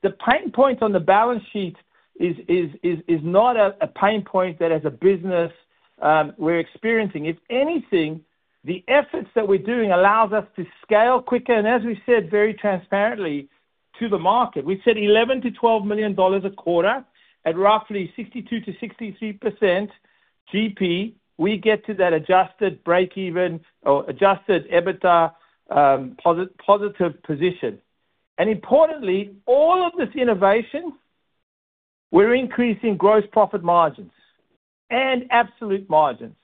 Speaker 2: The pain point on the balance sheet is not a pain point that, as a business, we're experiencing. If anything, the efforts that we're doing allow us to scale quicker and, as we said, very transparently to the market. We said $11-$12 million a quarter at roughly 62%-63% GP. We get to that adjusted break-even or adjusted EBITDA positive position. Importantly, all of this innovation, we're increasing gross profit margins and absolute margins.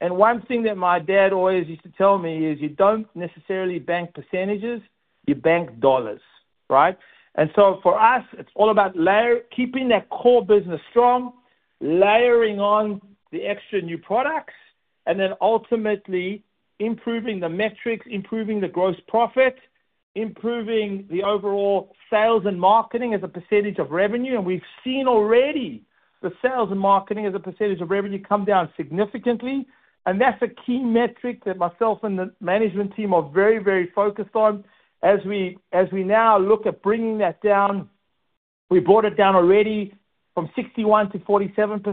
Speaker 2: One thing that my dad always used to tell me is you don't necessarily bank percentages. You bank dollars, right? For us, it's all about keeping that core business strong, layering on the extra new products, and ultimately improving the metrics, improving the gross profit, improving the overall sales and marketing as a percentage of revenue. We've seen already the sales and marketing as a percent of revenue come down significantly. That's a key metric that myself and the management team are very, very focused on. As we now look at bringing that down, we brought it down already from 61% to 47%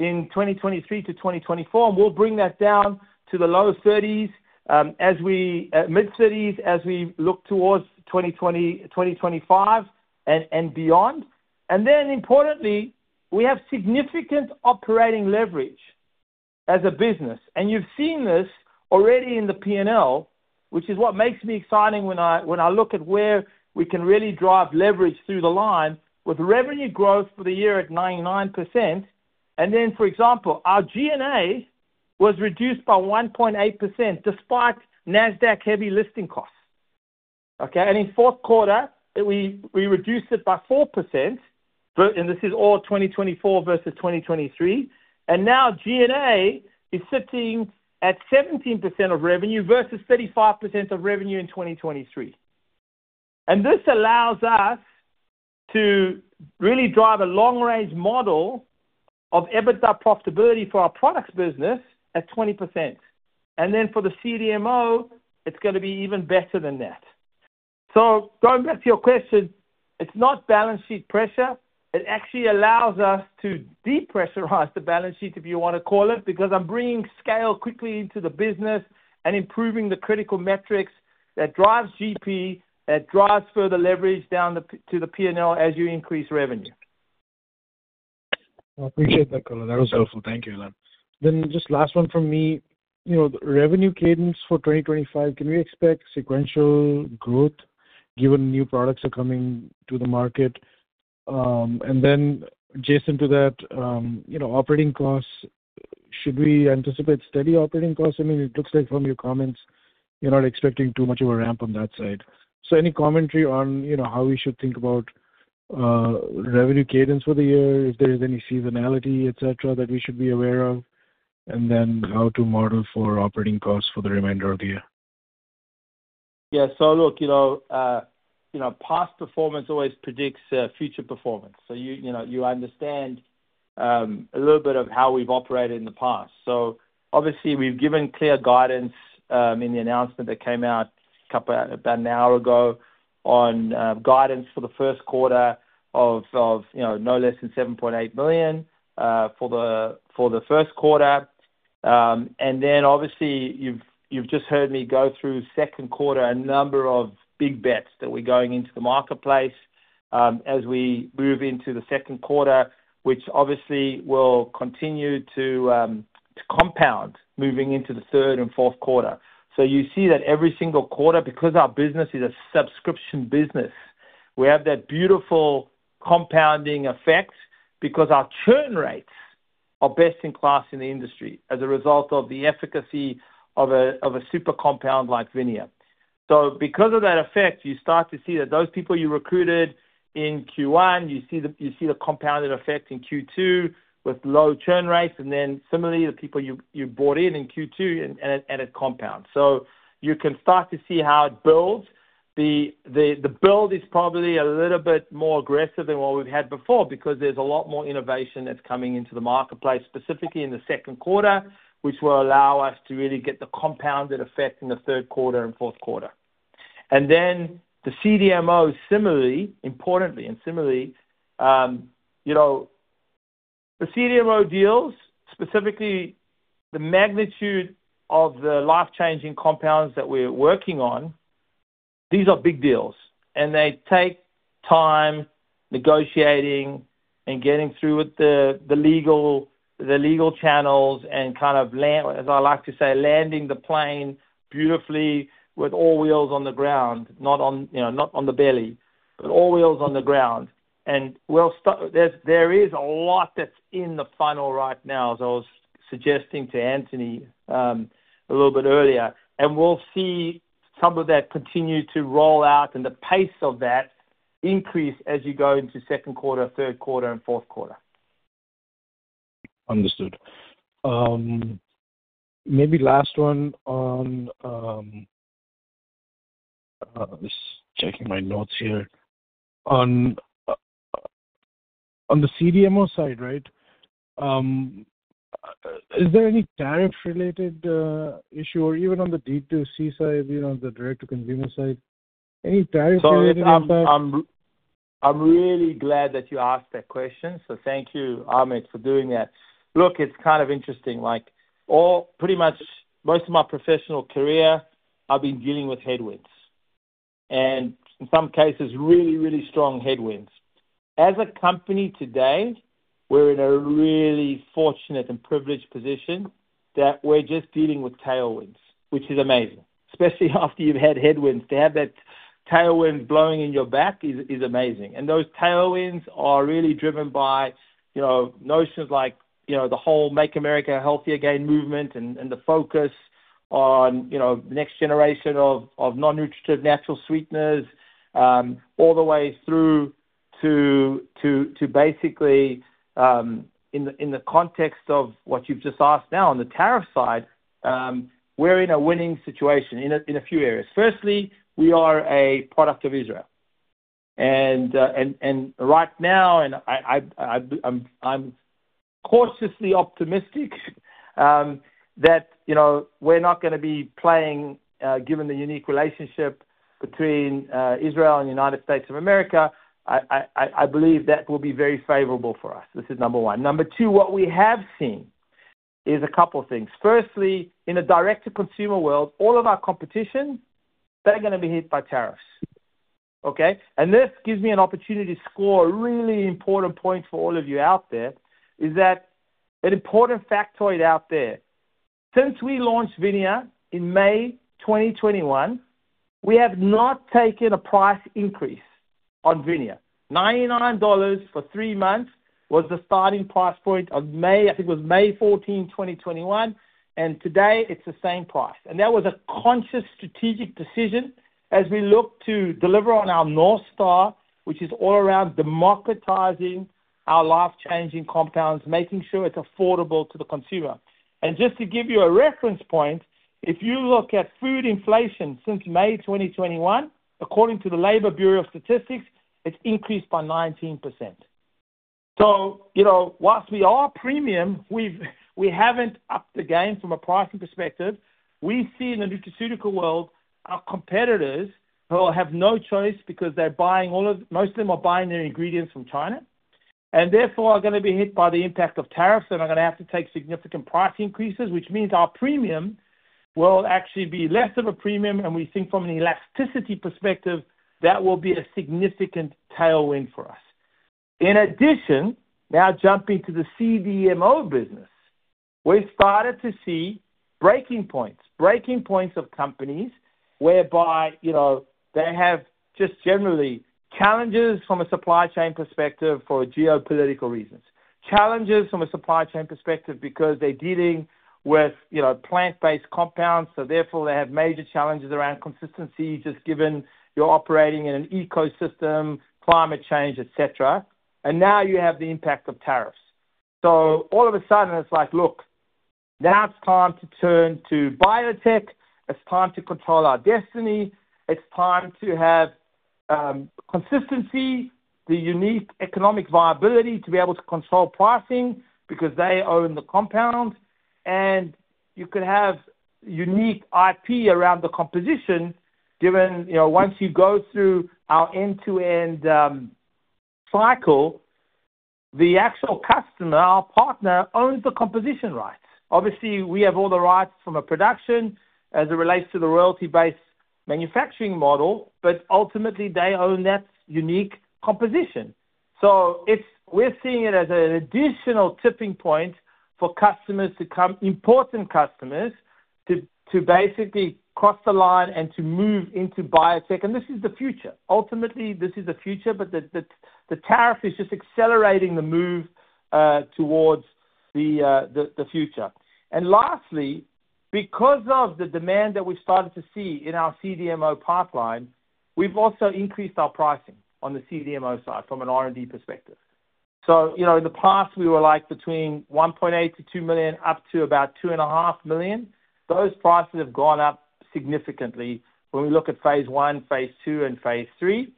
Speaker 2: in 2023 to 2024. We'll bring that down to the low 30s-mid-30s as we look towards 2025 and beyond. Importantly, we have significant operating leverage as a business. You have seen this already in the P&L, which is what makes me excited when I look at where we can really drive leverage through the line with revenue growth for the year at 99%. For example, our G&A was reduced by 1.8% despite Nasdaq heavy listing costs. In fourth quarter, we reduced it by 4%. This is all 2024 versus 2023. Now G&A is sitting at 17% of revenue versus 35% of revenue in 2023. This allows us to really drive a long-range model of EBITDA profitability for our products business at 20%. For the CDMO, it is going to be even better than that. Going back to your question, it is not balance sheet pressure. It actually allows us to depressurize the balance sheet, if you want to call it, because I'm bringing scale quickly into the business and improving the critical metrics that drive GP, that drive further leverage down to the P&L as you increase revenue.
Speaker 5: I appreciate that color. That was helpful. Thank you, Ilan. Just last one from me. Revenue cadence for 2025, can we expect sequential growth given new products are coming to the market? Adjacent to that, operating costs, should we anticipate steady operating costs? I mean, it looks like from your comments, you're not expecting too much of a ramp on that side. Any commentary on how we should think about revenue cadence for the year, if there is any seasonality, etc., that we should be aware of, and how to model for operating costs for the remainder of the year?
Speaker 2: Yeah. Look, past performance always predicts future performance. You understand a little bit of how we've operated in the past. Obviously, we've given clear guidance in the announcement that came out about an hour ago on guidance for the first quarter of no less than $7.8 million for the first quarter. Obviously, you've just heard me go through second quarter, a number of big bets that we're going into the marketplace as we move into the second quarter, which obviously will continue to compound moving into the third and fourth quarter. You see that every single quarter, because our business is a subscription business, we have that beautiful compounding effect because our churn rates are best in class in the industry as a result of the efficacy of a super compound like Vinia. Because of that effect, you start to see that those people you recruited in Q1, you see the compounded effect in Q2 with low churn rates. Similarly, the people you brought in in Q2, and it compounds. You can start to see how it builds. The build is probably a little bit more aggressive than what we've had before because there's a lot more innovation that's coming into the marketplace, specifically in the second quarter, which will allow us to really get the compounded effect in the third quarter and fourth quarter. The CDMO, importantly, and similarly, the CDMO deals, specifically the magnitude of the life-changing compounds that we're working on, these are big deals. They take time negotiating and getting through with the legal channels and, kind of, as I like to say, landing the plane beautifully with all wheels on the ground, not on the belly, but all wheels on the ground. There is a lot that's in the funnel right now, as I was suggesting to Anthony a little bit earlier. We will see some of that continue to roll out and the pace of that increase as you go into second quarter, third quarter, and fourth quarter.
Speaker 5: Understood. Maybe last one on just checking my notes here. On the CDMO side, right, is there any tariff-related issue or even on the D2C side, the direct-to-consumer side? Any tariff-related impact?
Speaker 2: I am really glad that you asked that question. Thank you, Amit, for doing that. Look, it's kind of interesting. Pretty much most of my professional career, I've been dealing with headwinds and, in some cases, really, really strong headwinds. As a company today, we're in a really fortunate and privileged position that we're just dealing with tailwinds, which is amazing, especially after you've had headwinds. To have that tailwind blowing in your back is amazing. Those tailwinds are really driven by notions like the whole Make America Healthier again movement and the focus on the next generation of non-nutritive natural sweeteners, all the way through to basically, in the context of what you've just asked now on the tariff side, we're in a winning situation in a few areas. Firstly, we are a product of Israel. Right now, I'm cautiously optimistic that we're not going to be playing, given the unique relationship between Israel and the United States of America. I believe that will be very favorable for us. This is number one. Number two, what we have seen is a couple of things. Firstly, in the direct-to-consumer world, all of our competition, they're going to be hit by tariffs. Okay? This gives me an opportunity to score a really important point for all of you out there, that an important factoid out there. Since we launched Vinia in May 2021, we have not taken a price increase on Vinia. $99 for three months was the starting price point of May. I think it was May 14, 2021. Today, it's the same price. That was a conscious strategic decision as we look to deliver on our North Star, which is all around democratizing our life-changing compounds, making sure it's affordable to the consumer. Just to give you a reference point, if you look at food inflation since May 2021, according to the Labor Bureau of Statistics, it's increased by 19%. Whilst we are premium, we haven't upped the game from a pricing perspective. We see in the nutraceutical world, our competitors will have no choice because most of them are buying their ingredients from China. Therefore, they are going to be hit by the impact of tariffs and are going to have to take significant price increases, which means our premium will actually be less of a premium. We think from an elasticity perspective, that will be a significant tailwind for us. In addition, now jumping to the CDMO business, we've started to see breaking points, breaking points of companies whereby they have just generally challenges from a supply chain perspective for geopolitical reasons, challenges from a supply chain perspective because they're dealing with plant-based compounds. Therefore, they have major challenges around consistency just given you're operating in an ecosystem, climate change, etc. Now you have the impact of tariffs. All of a sudden, it's like, "Look, now it's time to turn to biotech. It's time to control our destiny. It's time to have consistency, the unique economic viability to be able to control pricing because they own the compound." You can have unique IP around the composition given once you go through our end-to-end cycle, the actual customer, our partner, owns the composition rights. Obviously, we have all the rights from a production as it relates to the royalty-based manufacturing model, but ultimately, they own that unique composition. We are seeing it as an additional tipping point for important customers to basically cross the line and to move into biotech. This is the future. Ultimately, this is the future, but the tariff is just accelerating the move towards the future. Lastly, because of the demand that we have started to see in our CDMO pipeline, we have also increased our pricing on the CDMO side from an R&D perspective. In the past, we were between $1.8 million-$2 million, up to about $2.5 million. Those prices have gone up significantly when we look at phase I, phase II, and phase III.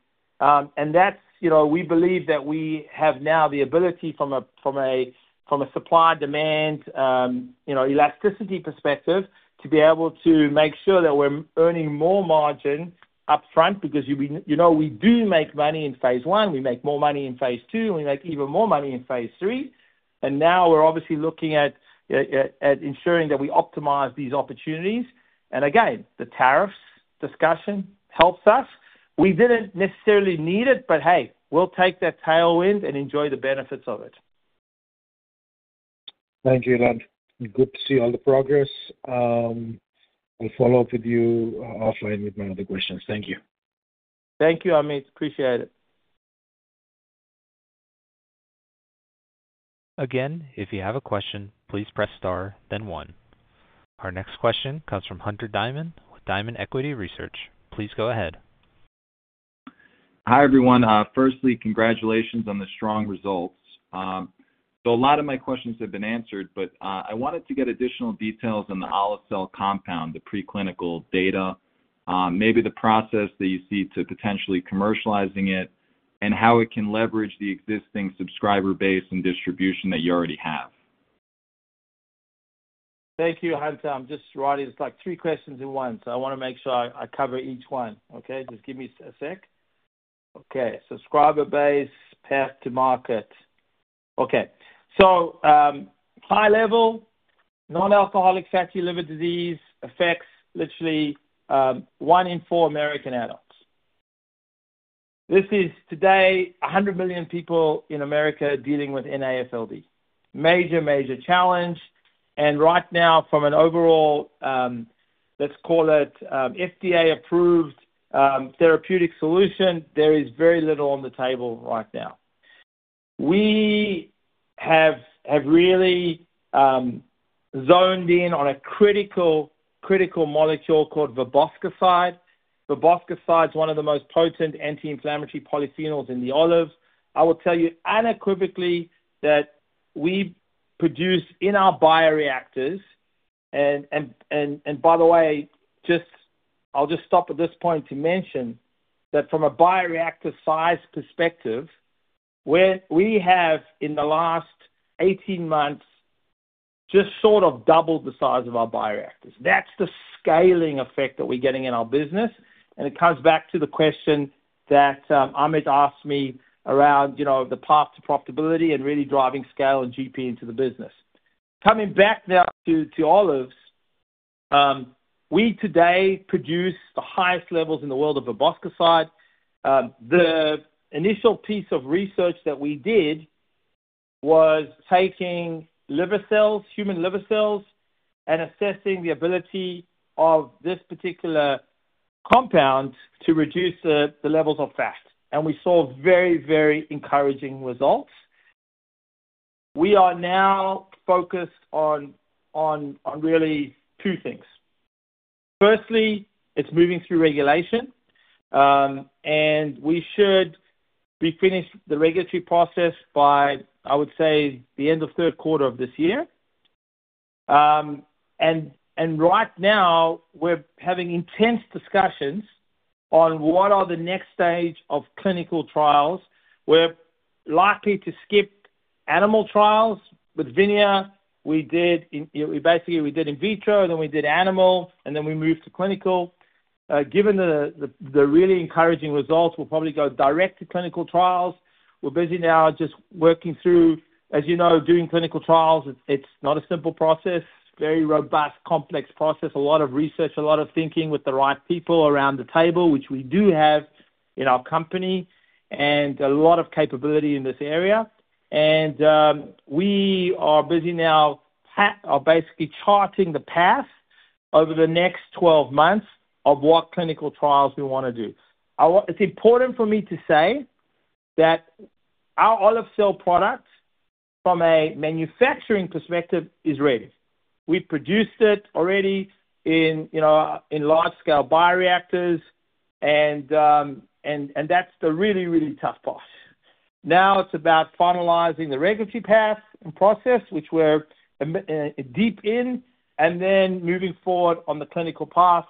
Speaker 2: We believe that we have now the ability from a supply-demand elasticity perspective to be able to make sure that we're earning more margin upfront because we do make money in phase one. We make more money in phase two. We make even more money in phase three. Now we're obviously looking at ensuring that we optimize these opportunities. Again, the tariffs discussion helps us. We did not necessarily need it, but hey, we'll take that tailwind and enjoy the benefits of it.
Speaker 5: Thank you, Ilan. Good to see all the progress. I'll follow up with you offline with my other questions. Thank you.
Speaker 2: Thank you, Amit. Appreciate it.
Speaker 1: Again, if you have a question, please press star, then one. Our next question comes from Hunter Diamond with Diamond Equity Research. Please go ahead.
Speaker 6: Hi, everyone. Firstly, congratulations on the strong results. A lot of my questions have been answered, but I wanted to get additional details on the Oliverina compound, the preclinical data, maybe the process that you see to potentially commercializing it, and how it can leverage the existing subscriber base and distribution that you already have.
Speaker 2: Thank you, Hunter. Just writing, it's like three questions in one. I want to make sure I cover each one. Okay? Just give me a sec. Okay. Subscriber base, path to market. High-level, non-alcoholic fatty liver disease affects literally one in four American adults. This is today, 100 million people in America dealing with NAFLD. Major, major challenge. Right now, from an overall, let's call it FDA-approved therapeutic solution, there is very little on the table right now. We have really zoned in on a critical molecule called verbascoside. Verbascoside is one of the most potent anti-inflammatory polyphenols in the olive. I will tell you unequivocally that we produce in our bioreactors. By the way, I'll just stop at this point to mention that from a bioreactor size perspective, we have in the last 18 months just sort of doubled the size of our bioreactors. That is the scaling effect that we're getting in our business. It comes back to the question that Amit asked me around the path to profitability and really driving scale and GP into the business. Coming back now to olives, we today produce the highest levels in the world of verbascoside. The initial piece of research that we did was taking human liver cells and assessing the ability of this particular compound to reduce the levels of fat. We saw very, very encouraging results. We are now focused on really two things. Firstly, it's moving through regulation. We should be finished the regulatory process by, I would say, the end of third quarter of this year. Right now, we're having intense discussions on what are the next stage of clinical trials. We're likely to skip animal trials. With Vinia, we basically did in vitro, then we did animal, and then we moved to clinical. Given the really encouraging results, we'll probably go direct to clinical trials. We're busy now just working through, as you know, doing clinical trials. It's not a simple process. It's a very robust, complex process, a lot of research, a lot of thinking with the right people around the table, which we do have in our company, and a lot of capability in this area. We are busy now basically charting the path over the next 12 months of what clinical trials we want to do. It's important for me to say that our olive cell product, from a manufacturing perspective, is ready. We've produced it already in large-scale bioreactors. That's the really, really tough part. Now it's about finalizing the regulatory path and process, which we're deep in, and then moving forward on the clinical path.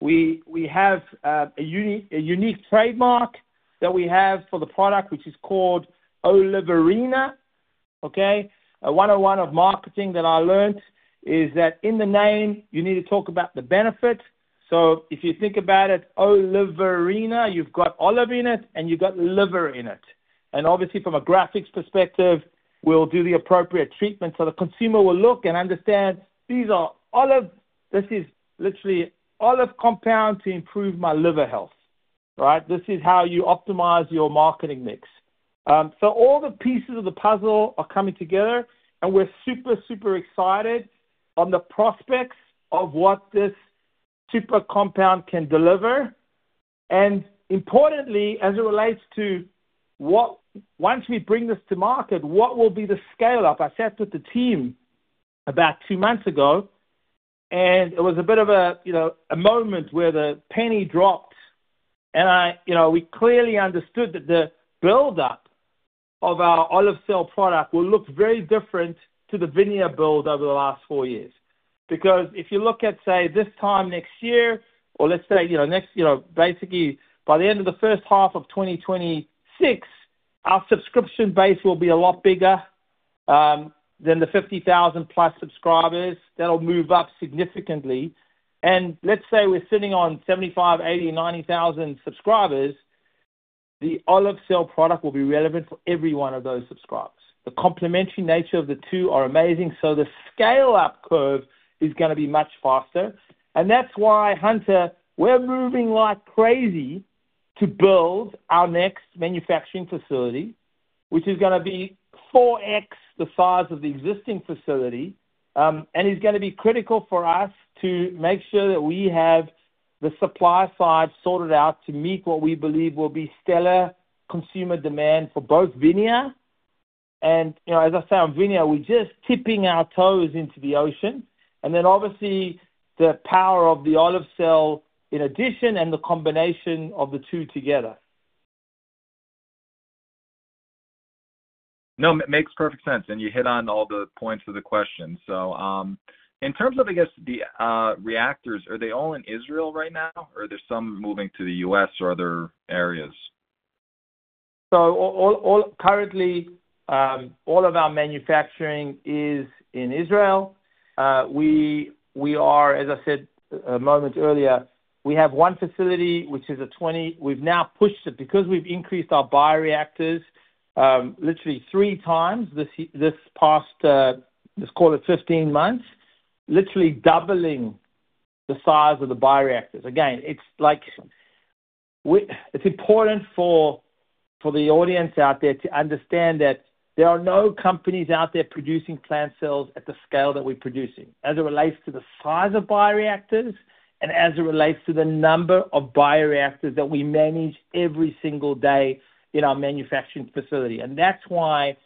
Speaker 2: We have a unique trademark that we have for the product, which is called Oliverina. One-on-one of marketing that I learned is that in the name, you need to talk about the benefit. If you think about it, Oliverina, you've got olive in it, and you've got liver in it. Obviously, from a graphics perspective, we'll do the appropriate treatment. The consumer will look and understand, "These are olive. This is literally olive compound to improve my liver health. Right? This is how you optimize your marketing mix. All the pieces of the puzzle are coming together, and we're super, super excited on the prospects of what this super compound can deliver. Importantly, as it relates to once we bring this to market, what will be the scale-up? I sat with the team about two months ago, and it was a bit of a moment where the penny dropped. We clearly understood that the build-up of our olive cell product will look very different to the Vinia build over the last four years. If you look at, say, this time next year, or let's say next basically, by the end of the first half of 2026, our subscription base will be a lot bigger than the 50,000+ subscribers. That'll move up significantly. Let's say we're sitting on 75,000, 80,000, 90,000 subscribers. The olive cell product will be relevant for every one of those subscribers. The complementary nature of the two are amazing. The scale-up curve is going to be much faster. That's why, Hunter, we're moving like crazy to build our next manufacturing facility, which is going to be 4X the size of the existing facility. It's going to be critical for us to make sure that we have the supply side sorted out to meet what we believe will be stellar consumer demand for both Vinia. As I say, on Vinia, we're just tipping our toes into the ocean. Obviously, the power of the olive cell in addition and the combination of the two together.
Speaker 6: No, it makes perfect sense. You hit on all the points of the question. In terms of, I guess, the reactors, are they all in Israel right now? Or are there some moving to the U.S. or other areas?
Speaker 2: Currently, all of our manufacturing is in Israel. As I said a moment earlier, we have one facility, which is a 20—we have now pushed it because we have increased our bioreactors literally 3x this past, let's call it 15 months, literally doubling the size of the bioreactors. Again, it's important for the audience out there to understand that there are no companies out there producing plant cells at the scale that we are producing as it relates to the size of bioreactors and as it relates to the number of bioreactors that we manage every single day in our manufacturing facility. That is why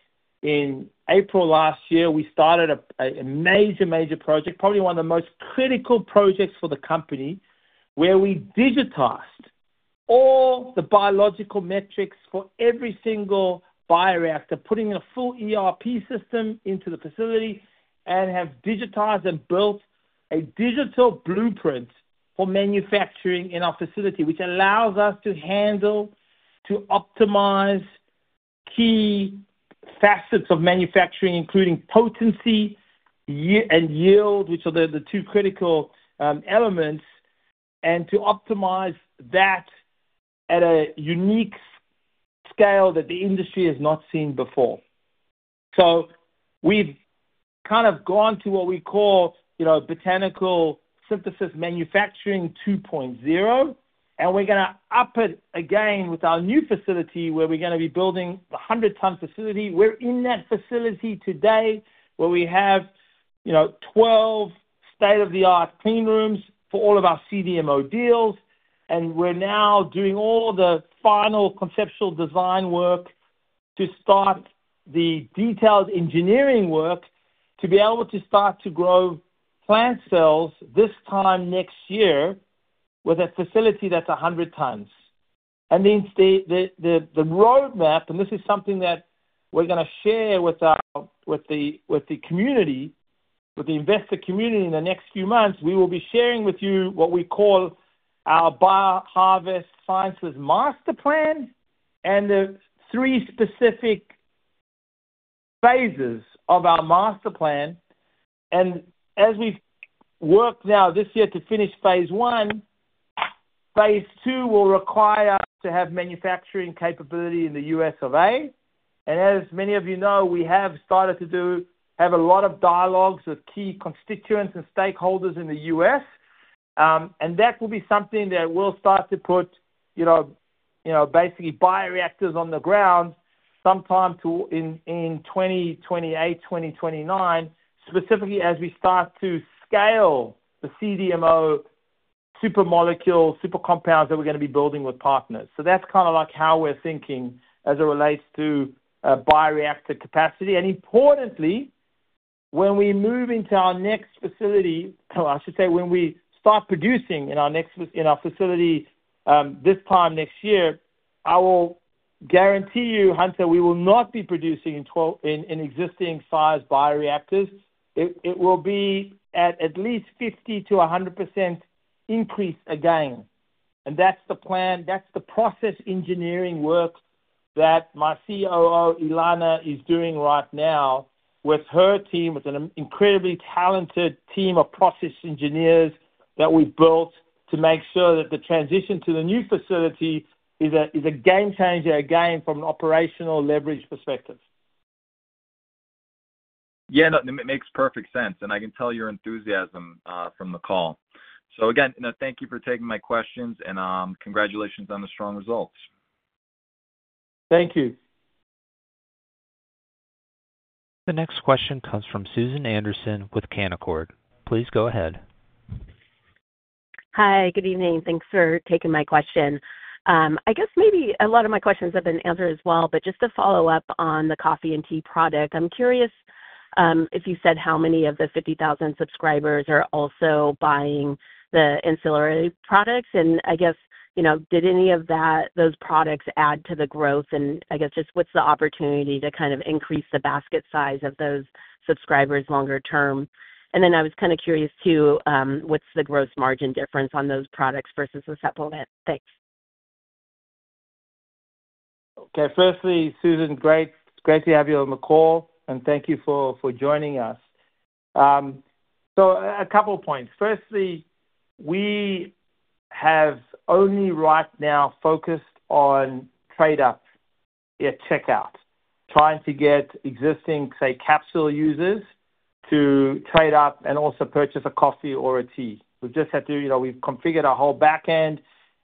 Speaker 2: in April last year, we started a major, major project, probably one of the most critical projects for the company, where we digitized all the biological metrics for every single bioreactor, putting a full ERP system into the facility and have digitized and built a digital blueprint for manufacturing in our facility, which allows us to handle, to optimize key facets of manufacturing, including potency and yield, which are the two critical elements, and to optimize that at a unique scale that the industry has not seen before. We have kind of gone to what we call botanical synthesis manufacturing 2.0. We are going to up it again with our new facility where we are going to be building a 100-ton facility. We are in that facility today where we have 12 state-of-the-art clean rooms for all of our CDMO deals. We're now doing all the final conceptual design work to start the detailed engineering work to be able to start to grow plant cells this time next year with a facility that's 100 tons. The roadmap, and this is something that we're going to share with the community, with the investor community in the next few months, we will be sharing with you what we call our BioHarvest Sciences Master Plan and the three specific phases of our master plan. As we've worked now this year to finish phase one, phase two will require us to have manufacturing capability in the U.S. As many of you know, we have started to have a lot of dialogues with key constituents and stakeholders in the U.S. That will be something that we'll start to put basically bioreactors on the ground sometime in 2028, 2029, specifically as we start to scale the CDMO super molecules, super compounds that we're going to be building with partners. That's kind of like how we're thinking as it relates to bioreactor capacity. Importantly, when we move into our next facility, I should say when we start producing in our facility this time next year, I will guarantee you, Hunter, we will not be producing in existing size bioreactors. It will be at at least 50%-100% increase again. That's the plan. That's the process engineering work that my COO, Ilana, is doing right now with her team, with an incredibly talented team of process engineers that we built to make sure that the transition to the new facility is a game changer again from an operational leverage perspective.
Speaker 6: Yeah. It makes perfect sense. I can tell your enthusiasm from the call. Again, thank you for taking my questions. Congratulations on the strong results.
Speaker 2: Thank you.
Speaker 1: The next question comes from Susan Anderson with Canaccord. Please go ahead.
Speaker 7: Hi. Good evening. Thanks for taking my question. I guess maybe a lot of my questions have been answered as well, but just to follow up on the coffee and tea product, I'm curious if you said how many of the 50,000 subscribers are also buying the ancillary products. I guess, did any of those products add to the growth? I guess just what's the opportunity to kind of increase the basket size of those subscribers longer term? I was kind of curious too, what's the gross margin difference on those products versus the supplement? Thanks.
Speaker 2: Firstly, Susan, great to have you on the call. Thank you for joining us. A couple of points. Firstly, we have only right now focused on trade-up at checkout, trying to get existing, say, capsule users to trade up and also purchase a coffee or a tea. We've configured our whole backend,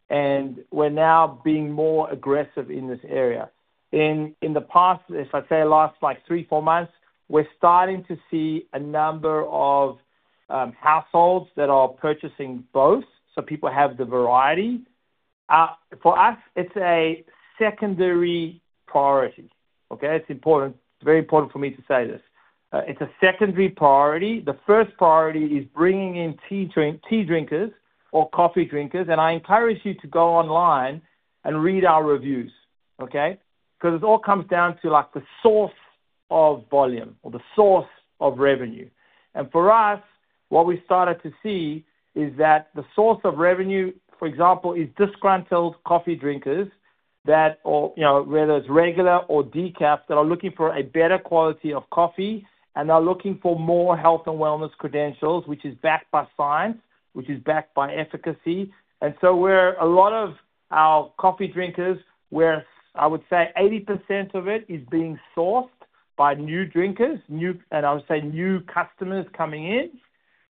Speaker 2: and we're now being more aggressive in this area. In the past, if I say last like three, four months, we're starting to see a number of households that are purchasing both so people have the variety. For us, it's a secondary priority. It's important. It's very important for me to say this. It's a secondary priority. The first priority is bringing in tea drinkers or coffee drinkers. I encourage you to go online and read our reviews. Okay? It all comes down to the source of volume or the source of revenue. For us, what we started to see is that the source of revenue, for example, is disgruntled coffee drinkers that are, whether it's regular or decaf, looking for a better quality of coffee, and they're looking for more health and wellness credentials, which is backed by science, which is backed by efficacy. A lot of our coffee drinkers, I would say 80% of it is being sourced by new drinkers, and I would say new customers coming in.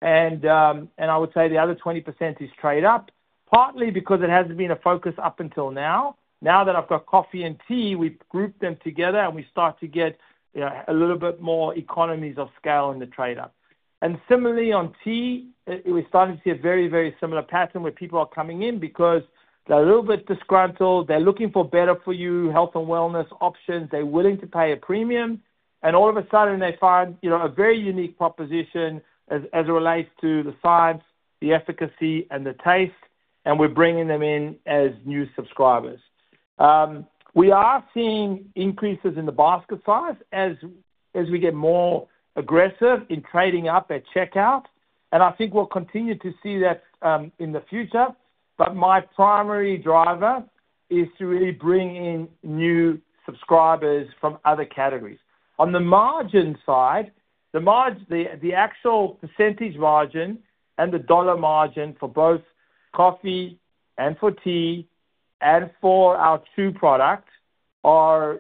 Speaker 2: I would say the other 20% is trade-up, partly because it hasn't been a focus up until now. Now that I've got coffee and tea, we've grouped them together, and we start to get a little bit more economies of scale in the trade-up. Similarly, on tea, we're starting to see a very, very similar pattern where people are coming in because they're a little bit disgruntled. They're looking for better-for-you health and wellness options. They're willing to pay a premium. All of a sudden, they find a very unique proposition as it relates to the science, the efficacy, and the taste. We're bringing them in as new subscribers. We are seeing increases in the basket size as we get more aggressive in trading up at checkout. I think we'll continue to see that in the future. My primary driver is to really bring in new subscribers from other categories. On the margin side, the actual percentage margin and the dollar margin for both coffee and for tea and for our two products are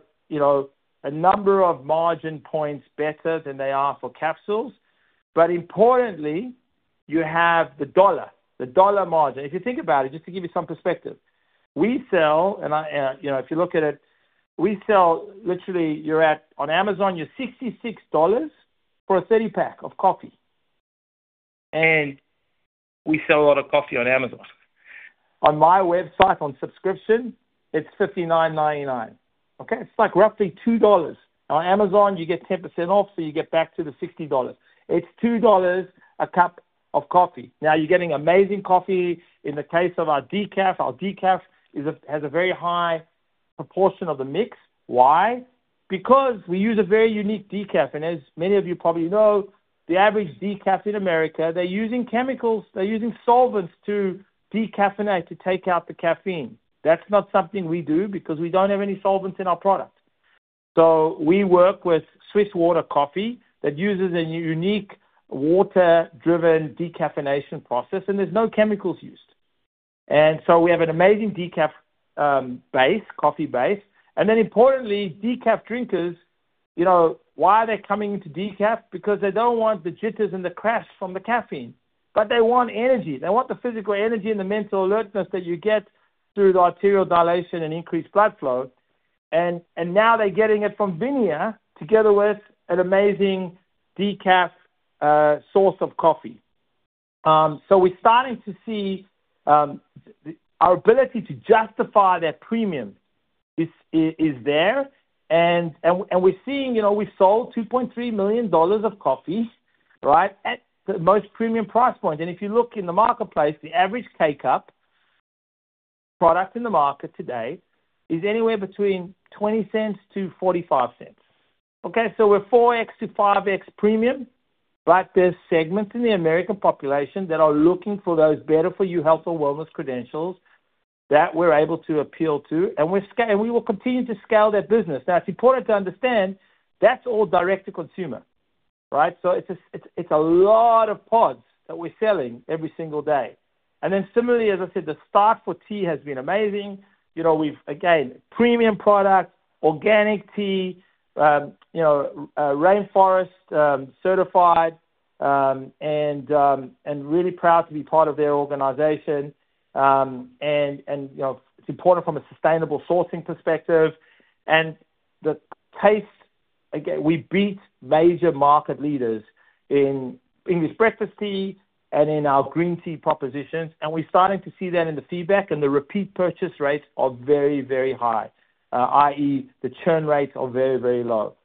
Speaker 2: a number of margin points better than they are for capsules. Importantly, you have the dollar, the dollar margin. If you think about it, just to give you some perspective, we sell and if you look at it, we sell literally on Amazon, you're $66 for a 30-pack of coffee. We sell a lot of coffee on Amazon. On my website, on subscription, it's $59.99. Okay? It's like roughly $2. On Amazon, you get 10% off, so you get back to the $60. It's $2 a cup of coffee. Now, you're getting amazing coffee in the case of our decaf. Our decaf has a very high proportion of the mix. Why? Because we use a very unique decaf. And as many of you probably know, the average decaf in America, they're using chemicals. They're using solvents to decaffeinate to take out the caffeine. That's not something we do because we don't have any solvents in our product. We work with Swiss Water Coffee that uses a unique water-driven decaffeination process. There's no chemicals used. We have an amazing decaf base, coffee base. Importantly, decaf drinkers, why are they coming into decaf? Because they don't want the jitters and the crash from the caffeine. They want energy. They want the physical energy and the mental alertness that you get through the arterial dilation and increased blood flow. Now they're getting it from Vinia together with an amazing decaf source of coffee. We're starting to see our ability to justify that premium is there. We're seeing we've sold $2.3 million of coffee, right, at the most premium price point. If you look in the marketplace, the average K Cup product in the market today is anywhere between $0.20-$0.45. We're 4x-5x premium. There are segments in the American population that are looking for those better-for-you health and wellness credentials that we're able to appeal to. We will continue to scale that business. It's important to understand that's all direct-to-consumer, right? It's a lot of pods that we're selling every single day. Similarly, as I said, the stock for tea has been amazing. Again, premium product, organic tea, rainforest certified, and really proud to be part of their organization. It's important from a sustainable sourcing perspective. The taste, again, we beat major market leaders in English breakfast tea and in our green tea propositions. We are starting to see that in the feedback. The repeat purchase rates are very, very high, i.e., the churn rates are very, very low.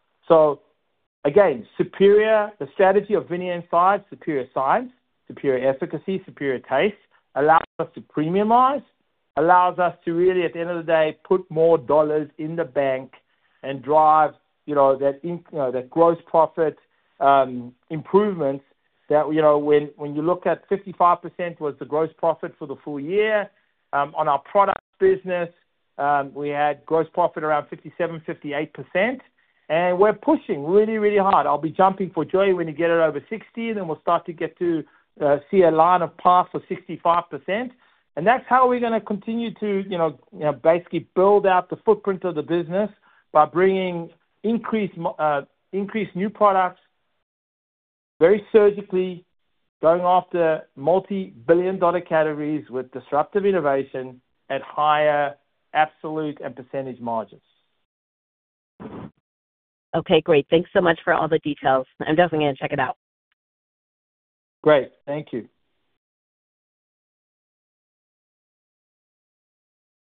Speaker 2: Superior strategy of Vinia Inside, superior science, superior efficacy, superior taste, allows us to premiumize, allows us to really, at the end of the day, put more dollars in the bank and drive that gross profit improvement. When you look at 55% was the gross profit for the full year. On our product business, we had gross profit around 57%-58%. We are pushing really, really hard. I will be jumping for joy when you get it over 60%, then we will start to see a line of path for 65%. That's how we're going to continue to basically build out the footprint of the business by bringing increased new products very surgically, going after multi-billion dollar categories with disruptive innovation at higher absolute and percentage margins.
Speaker 7: Okay. Great. Thanks so much for all the details. I'm definitely going to check it out.
Speaker 2: Great. Thank you.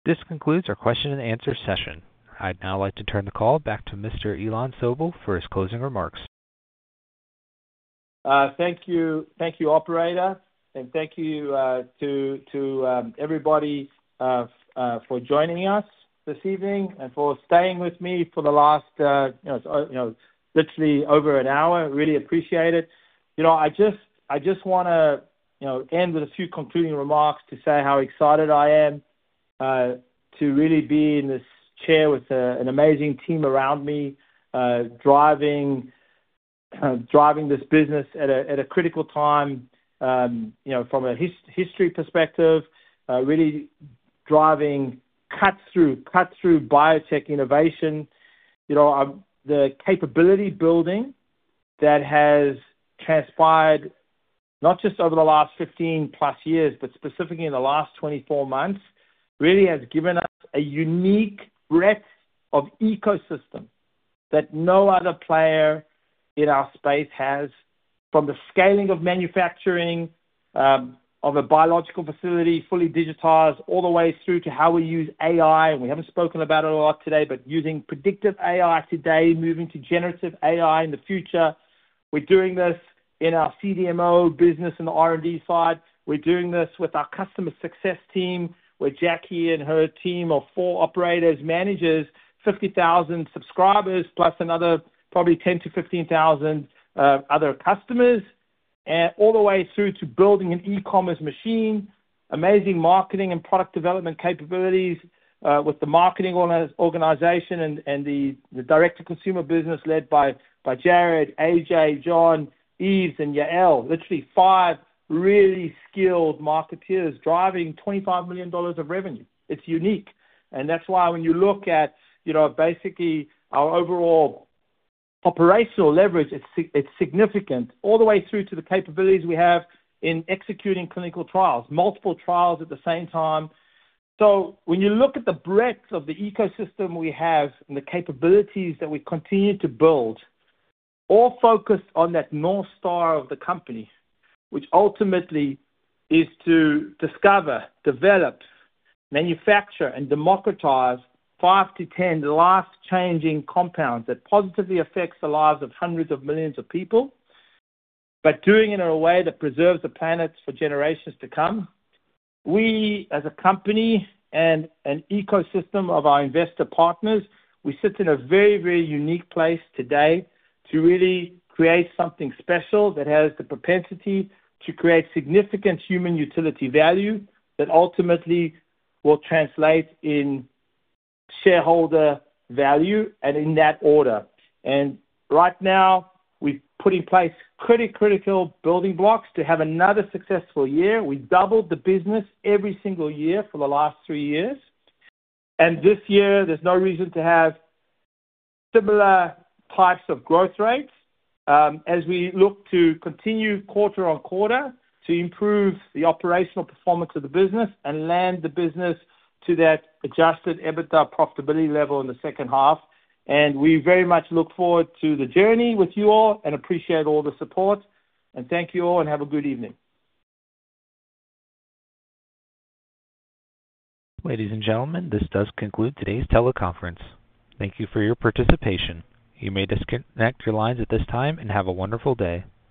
Speaker 1: This concludes our question-and-answer session. I'd now like to turn the call back to Mr. Ilan Sobel for his closing remarks.
Speaker 2: Thank you, operator. Thank you to everybody for joining us this evening and for staying with me for the last literally over an hour. Really appreciate it. I just want to end with a few concluding remarks to say how excited I am to really be in this chair with an amazing team around me driving this business at a critical time from a history perspective, really driving cut-through biotech innovation. The capability building that has transpired not just over the last 15-plus years, but specifically in the last 24 months, really has given us a unique breadth of ecosystem that no other player in our space has from the scaling of manufacturing of a biological facility fully digitized all the way through to how we use AI. We haven't spoken about it a lot today, but using predictive AI today, moving to generative AI in the future. We're doing this in our CDMO business and R&D side. We're doing this with our customer success team where Jackie and her team of four operators, managers, 50,000 subscribers, plus another probably 10-15 thousand other customers, all the way through to building an e-commerce machine, amazing marketing and product development capabilities with the marketing organization and the direct-to-consumer business led by Jared, AJ, John, Eves, and Yael, literally five really skilled marketeers driving $25 million of revenue. It's unique. That's why when you look at basically our overall operational leverage, it's significant all the way through to the capabilities we have in executing clinical trials, multiple trials at the same time. When you look at the breadth of the ecosystem we have and the capabilities that we continue to build, all focused on that North Star of the company, which ultimately is to discover, develop, manufacture, and democratize 5 to 10 life-changing compounds that positively affect the lives of hundreds of millions of people, but doing it in a way that preserves the planet for generations to come. We, as a company and an ecosystem of our investor partners, sit in a very, very unique place today to really create something special that has the propensity to create significant human utility value that ultimately will translate in shareholder value and in that order. Right now, we've put in place critical building blocks to have another successful year. We doubled the business every single year for the last three years. This year, there's no reason to have similar types of growth rates as we look to continue quarter on quarter to improve the operational performance of the business and land the business to that adjusted EBITDA profitability level in the second half. We very much look forward to the journey with you all and appreciate all the support. Thank you all and have a good evening.
Speaker 1: Ladies and gentlemen, this does conclude today's teleconference. Thank you for your participation. You may disconnect your lines at this time and have a wonderful day.